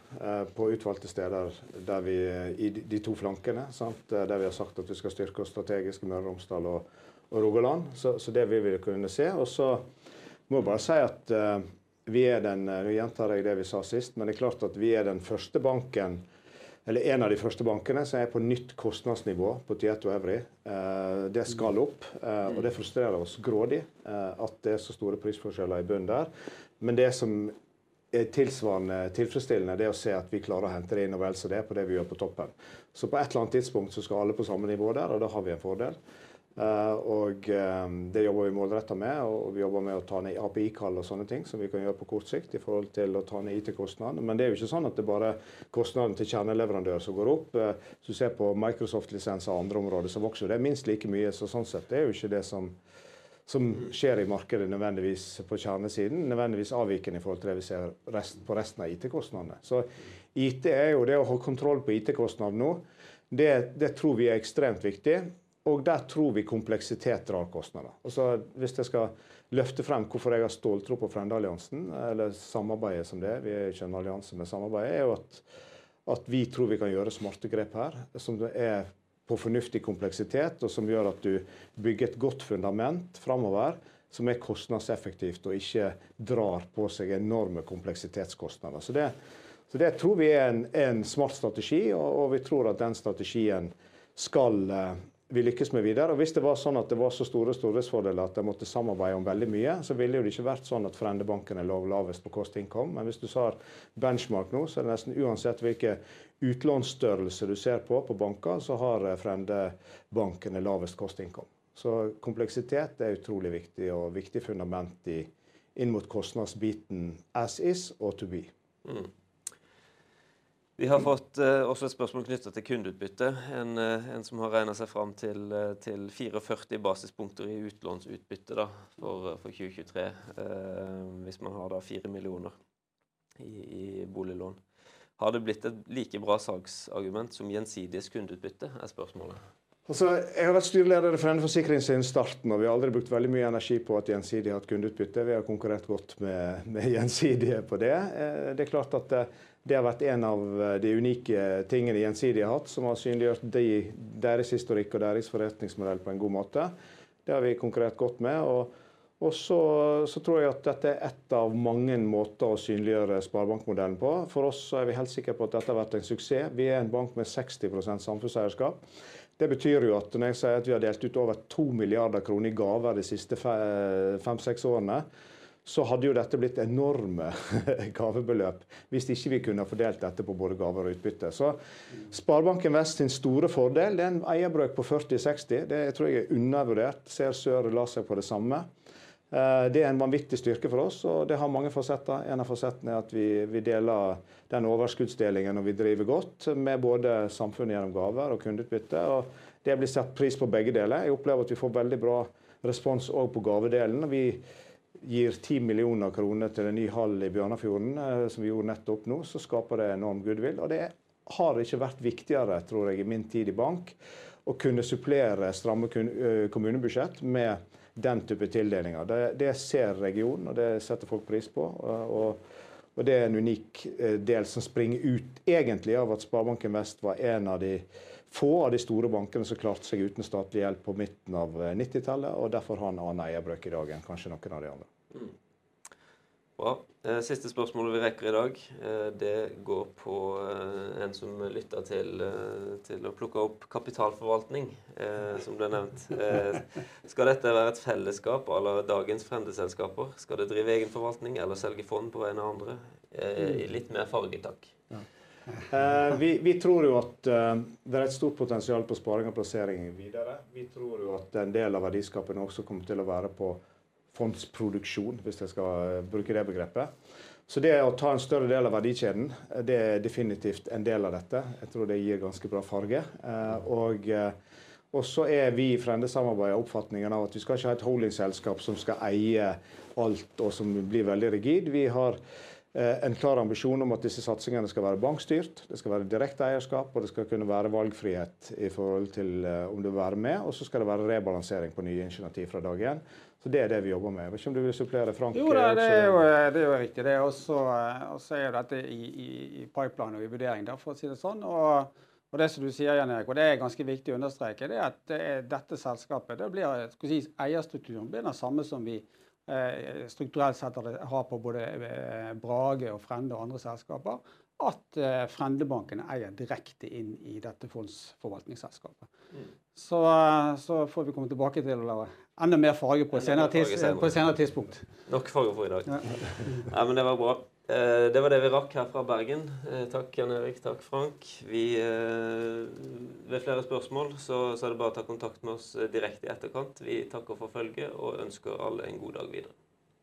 på utvalgte steder der vi i de to flankene, der vi har sagt at vi skal styrke oss strategisk, Møre og Romsdal og Rogaland, så vil vi kunne se det. Og så må jeg bare si at vi den... Nå gjentar jeg det vi sa sist, men det er klart at vi er den første banken, eller en av de første bankene, som på nytt kostnadsnivå på Tieto Every. Det skal opp, og det frustrerer oss grådig at det er så store prisforskjeller i bunn der. Men det som er tilsvarende tilfredsstillende, det er å se at vi klarer å hente det inn når vi ser det på det vi gjør på toppen. Så på et eller annet tidspunkt så skal alle være på samme nivå der, og da har vi en fordel. Og det jobber vi målrettet med, og vi jobber med å ta ned API-kall og sånne ting som vi kan gjøre på kort sikt i forhold til å ta ned IT-kostnaden. Men det er jo ikke sånn at det bare er kostnaden til kjerneleverandør som går opp. Hvis du ser på Microsoft-lisenser og andre områder som vokser, det minst like mye. Så sånn sett jo ikke det som skjer i markedet nødvendigvis på kjernesiden, nødvendigvis avvikende i forhold til det vi ser på resten av IT-kostnadene. Så IT, jo det å ha kontroll på IT-kostnaden nå. Det tror vi ekstremt viktig. Og der tror vi kompleksitet drar kostnader. Altså hvis jeg skal løfte frem hvorfor jeg har stolt tro på Frendalliansen, eller samarbeidet som det vi ikke en allianse med samarbeidet, jo at vi tror vi kan gjøre smarte grep her, som på fornuftig kompleksitet, og som gjør at du bygger et godt fundament fremover, som kostnadseffektivt og ikke drar på seg enorme kompleksitetskostnader. Så det tror vi en smart strategi, og vi tror at den strategien skal vi lykkes med videre. Og hvis det var sånn at det var så store stordriftsfordeler at jeg måtte samarbeide om veldig mye, så ville jo det ikke vært sånn at Frendebanken lavest på kost-innkomst. Men hvis du tar benchmark nå, så det nesten uansett hvilke utlånsstørrelser du ser på på banker, så har Frendebanken lavest kost-innkomst. Så kompleksitet utrolig viktig og viktig fundament i inn mot kostnadsbiten as is og to be. Vi har fått også et spørsmål knyttet til kundeutbytte. En som har regnet seg fram til 44 basispunkter i utlånsutbytte da for 2023, hvis man har da 4 millioner i boliglån. Har det blitt et like bra salgsargument som Gjensidiges kundeutbytte, spørsmålet. Jeg har vært styreleder i Frendeforsikringen siden starten, og vi har aldri brukt veldig mye energi på at Gjensidige har hatt kundeutbytte. Vi har konkurrert godt med Gjensidige på det. Det er klart at det har vært en av de unike tingene Gjensidige har hatt, som har synliggjort deres historikk og deres forretningsmodell på en god måte. Det har vi konkurrert godt med. Så tror jeg at dette er en av mange måter å synliggjøre Sparebank-modellen på. For oss så er vi helt sikre på at dette har vært en suksess. Vi er en bank med 60% samfunnseierskap. Det betyr jo at når jeg sier at vi har delt ut over 2 milliarder kroner i gaver de siste fem-seks årene, så hadde jo dette blitt enorme gavebeløp hvis ikke vi kunne ha fordelt dette på både gaver og utbytte. Så Sparebanken Vest sin store fordel, det er en eierbrøk på 40-60. Det tror jeg er undervurdert. Selv Sør lander seg på det samme. Det er en vanvittig styrke for oss, og det har mange fasetter. En av fasettene at vi deler den overskuddsdelingen og vi driver godt med både samfunn gjennom gaver og kundeutbytte. Det blir satt pris på begge deler. Jeg opplever at vi får veldig bra respons også på gavedelen. Når vi gir 10 millioner kroner til en ny hall i Bjørnafjorden, som vi gjorde nettopp nå, så skaper det enorm goodwill. Det har ikke vært viktigere, tror jeg, i min tid i bank, å kunne supplere stramme kommunebudsjett med den type tildelinger. Det ser regionen, og det setter folk pris på. Det er en unik del som springer ut egentlig av at Sparebanken Vest var en av de få av de store bankene som klarte seg uten statlig hjelp på midten av 90-tallet. Derfor har den annen eierbrøk i dag enn kanskje noen av de andre. Bra. Siste spørsmålet vi rekker i dag, det går på en som lytter til å plukke opp kapitalforvaltning, som ble nevnt. Skal dette være et fellesskap av dagens Frendeselskaper? Skal det drive egen forvaltning eller selge fond på vegne av andre? I litt mer fargetakk. Ja, vi tror jo at det er stort potensial på sparing og plassering videre. Vi tror jo at en del av verdiskapingen også kommer til å være på fondsproduksjon, hvis jeg skal bruke det begrepet. Så det å ta en større del av verdikjeden, det er definitivt en del av dette. Jeg tror det gir ganske bra farge. Og så er vi i Frendesamarbeidet av oppfatningen av at vi skal ikke ha et holdingselskap som skal eie alt og som blir veldig rigid. Vi har en klar ambisjon om at disse satsingene skal være bankstyrt. Det skal være direkte eierskap, og det skal kunne være valgfrihet i forhold til om du vil være med. Så skal det være rebalansering på nye initiativ fra dag én. Det er det vi jobber med. Jeg vet ikke om du vil supplere, Frank? Jo, det er riktig. Det er også dette i pipeline og i vurdering der, for å si det sånn. Det som du sier, Jan Erik, er ganske viktig å understreke, at dette selskapet, eierstrukturen blir den samme som vi strukturelt sett har på både Brage og Frende og andre selskaper, at Frendebanken eier direkte inn i dette fondsforvaltningsselskapet. Vi får komme tilbake til å gi enda mer farge på det på senere tidspunkt. Nok farge for i dag. Det var bra. Det var det vi rakk her fra Bergen. Takk, Jan Erik. Takk, Frank. Vi har flere spørsmål, så det er bare å ta kontakt med oss direkte i etterkant. Vi takker for følget og ønsker alle en god dag videre.